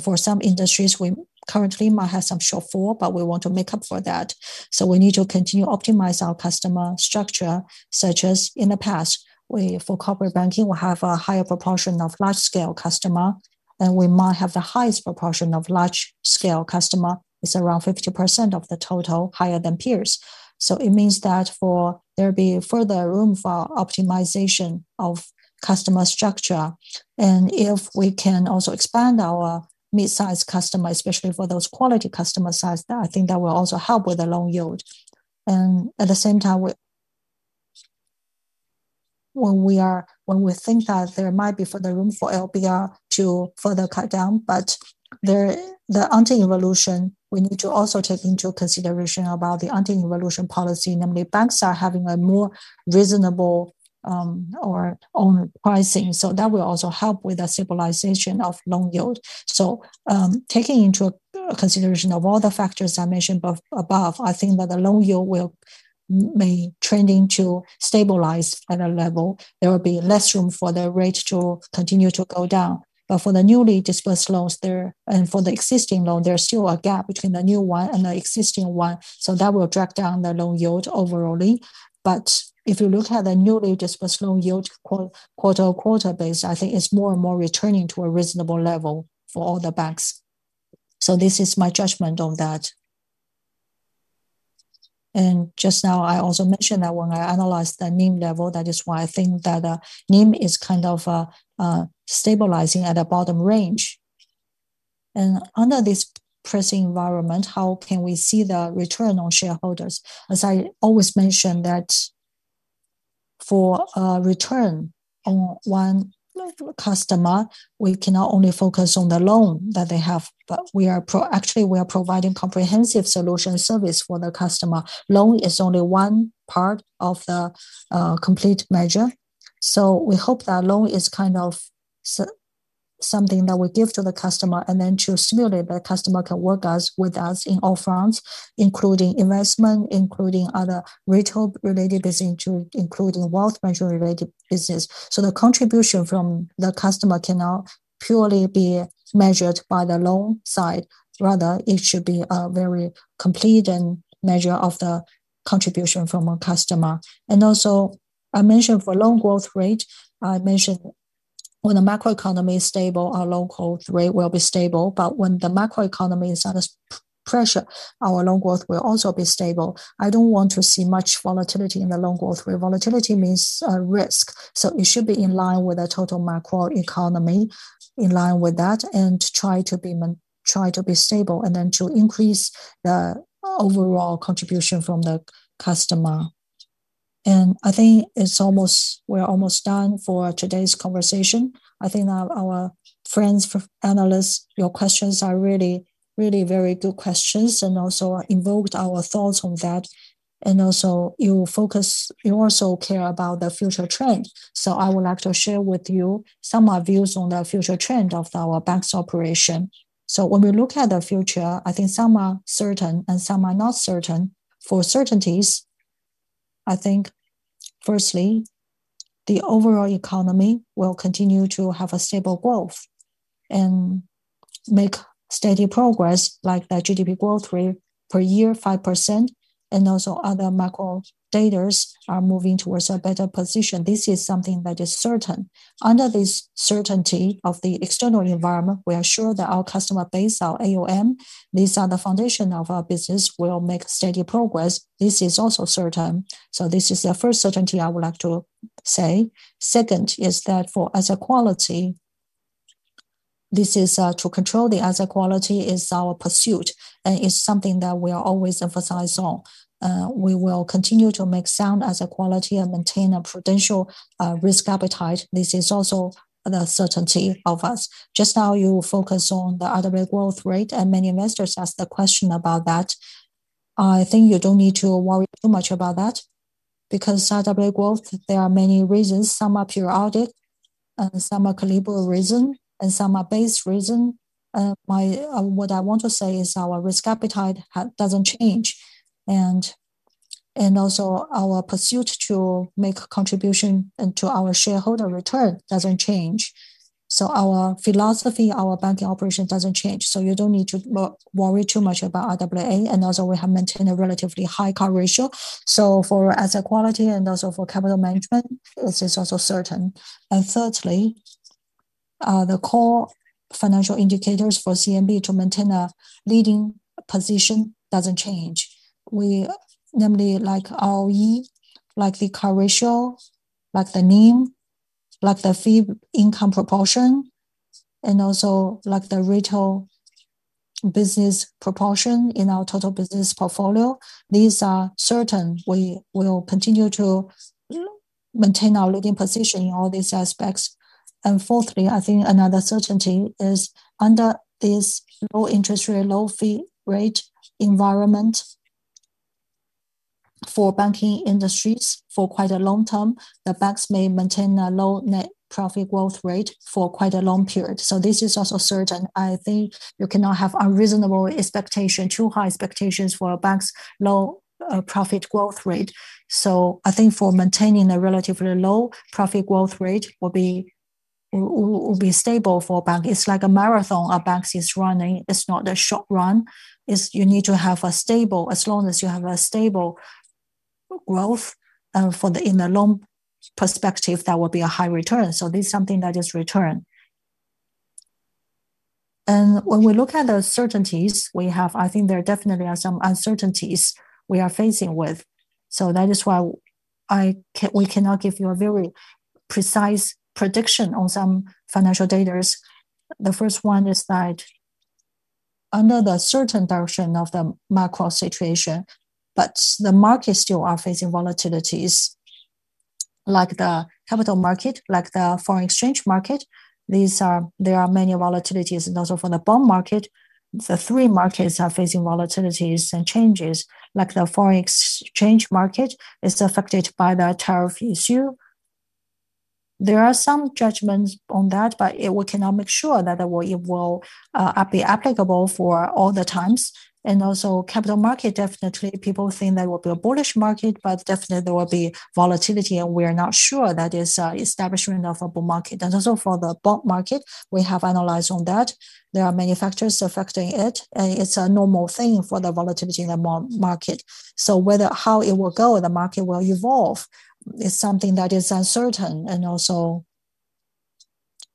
For some industries, we currently might have some shortfall, but we want to make up for that. We need to continue optimizing our customer structure, such as in the past, for corporate banking, we have a higher proportion of large-scale customers, and we might have the highest proportion of large-scale customers. It's around 50% of the total, higher than peers. It means that there will be further room for optimization of customer structure. If we can also expand our mid-size customers, especially for those quality customer size, I think that will also help with the loan yield. At the same time, when we think that there might be further room for LPR to further cut down, the anti-evolution, we need to also take into consideration about the anti-evolution policy, namely banks are having a more reasonable pricing. That will also help with the stabilization of loan yield. Taking into consideration all the factors I mentioned above, I think that the loan yield may trend into stabilize at a level. There will be less room for the rate to continue to go down. For the newly disbursed loans and for the existing loan, there's still a gap between the new one and the existing one. That will drag down the loan yield overall. If you look at the newly disbursed loan yield quarter-over-quarter, I think it's more and more returning to a reasonable level for all the banks. This is my judgment on that. I also mentioned that when I analyzed the NIM level, that is why I think that the NIM is kind of stabilizing at a bottom range. Under this pressing environment, how can we see the return on shareholders? As I always mentioned, for a return on one customer, we cannot only focus on the loan that they have, but actually, we are providing comprehensive solution service for the customer. Loan is only one part of the complete measure. We hope that loan is kind of something that we give to the customer, and then to stimulate that customer can work with us in all fronts, including investment, including other retail-related business, including wealth management-related business. The contribution from the customer cannot purely be measured by the loan side. Rather, it should be a very complete measure of the contribution from a customer. I mentioned for loan growth rate, when the macro economy is stable, our loan growth rate will be stable. When the macro economy is under pressure, our loan growth will also be stable. I don't want to see much volatility in the loan growth rate. Volatility means risk. It should be in line with the total macro economy, in line with that, and try to be stable, and then to increase the overall contribution from the customer. I think we're almost done for today's conversation. I think our friends, analysts, your questions are really, really very good questions and also invoked our thoughts on that. You also care about the future trend. I would like to share with you some of my views on the future trend of our bank's operation. When we look at the future, I think some are certain and some are not certain. For certainties, I think, firstly, the overall economy will continue to have a stable growth and make steady progress like the GDP growth rate per year, 5%, and also other macro data are moving towards a better position. This is something that is certain. Under this certainty of the external environment, we are sure that our customer base, our AUM, these are the foundation of our business, will make steady progress. This is also certain. This is the first certainty I would like to say. Second is that for asset quality. To control the asset quality is our pursuit, and it's something that we are always emphasizing. We will continue to make sound asset quality and maintain a prudential risk appetite. This is also the certainty of us. Just now, you focused on the RWA growth rate, and many investors asked the question about that. I think you don't need to worry too much about that because RWA growth, there are many reasons. Some are periodic, and some are caliber reason, and some are base reason. What I want to say is our risk appetite doesn't change. Also, our pursuit to make contribution to our shareholder return doesn't change. Our philosophy, our banking operation doesn't change. You don't need to worry too much about RWA. We have maintained a relatively high CAR ratio. For asset quality and also for capital management, this is also certain. Thirdly, the core financial indicators for CMB to maintain a leading position doesn't change. We namely like ROE, like the CAR ratio, like the NIM, like the fee income proportion, and also like the retail business proportion in our total business portfolio. These are certain. We will continue to maintain our leading position in all these aspects. Fourthly, I think another certainty is under this low interest rate, low fee rate environment. For banking industries for quite a long term, the banks may maintain a low net profit growth rate for quite a long period. This is also certain. I think you cannot have unreasonable expectations, too high expectations for a bank's low profit growth rate. For maintaining a relatively low profit growth rate will be stable for a bank. It's like a marathon a bank is running. It's not a short run. You need to have a stable, as long as you have a stable growth. In the long perspective, that will be a high return. This is something that is return. When we look at the certainties, I think there definitely are some uncertainties we are facing with. That is why we cannot give you a very precise prediction on some financial data. The first one is that under the certain direction of the macro situation, but the markets still are facing volatilities. Like the capital market, like the foreign exchange market, there are many volatilities. Also, for the bond market, the three markets are facing volatilities and changes. The foreign exchange market is affected by the tariff issue. There are some judgments on that, but we cannot make sure that it will be applicable for all times. Also, in the capital market, definitely people think that it will be a bullish market, but definitely there will be volatility, and we are not sure that is the establishment of a bull market. For the bond market, we have analyzed that there are many factors affecting it, and it's a normal thing for the volatility in the bond market. How it will go, how the market will evolve, is something that is uncertain,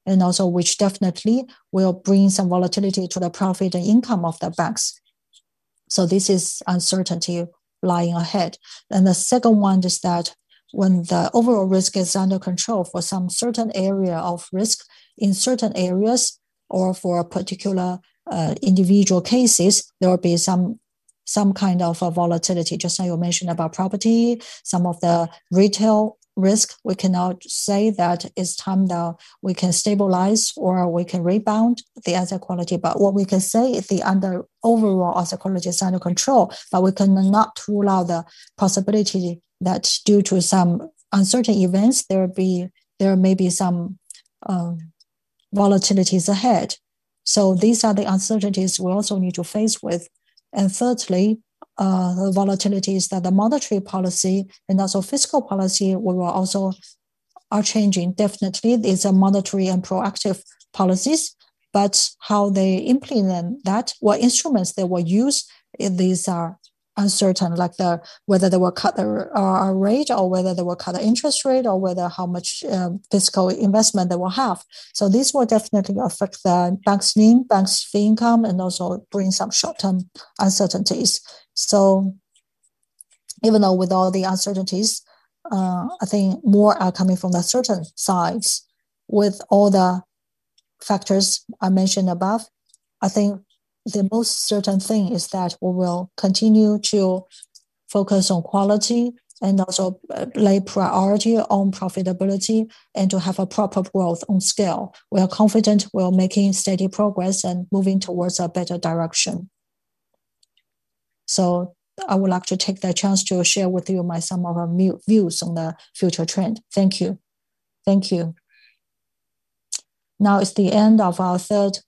which definitely will bring some volatility to the profit and income of the banks. This is uncertainty lying ahead. The second one is that when the overall risk is under control, for some certain area of risk in certain areas or for particular individual cases, there will be some kind of volatility. Just like you mentioned about property, some of the retail risk. We cannot say that it's time that we can stabilize or we can rebound the asset quality. What we can say is the overall asset quality is under control, but we cannot rule out the possibility that due to some uncertain events, there may be some volatilities ahead. These are the uncertainties we also need to face. Thirdly, the volatilities that the monetary policy and also fiscal policy will also are changing. Definitely, these are monetary and proactive policies, but how they implement that, what instruments they will use, these are uncertain, like whether they will cut a rate or whether they will cut the interest rate or how much fiscal investment they will have. These will definitely affect the bank's NIM, bank's fee income, and also bring some short-term uncertainties. Even though with all the uncertainties, I think more are coming from the certain sides. With all the factors I mentioned above, I think the most certain thing is that we will continue to focus on quality and also lay priority on profitability and to have a proper growth on scale. We are confident we are making steady progress and moving towards a better direction. I would like to take the chance to share with you some of our views on the future trend. Thank you. Thank you. Now it's the end of our third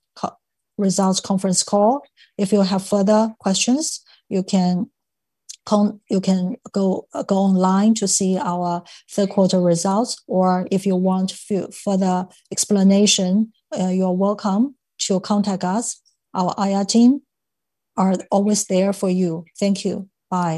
results conference call. If you have further questions, you can go online to see our third-quarter results, or if you want further explanation, you're welcome to contact us. Our IR team are always there for you. Thank you. Bye.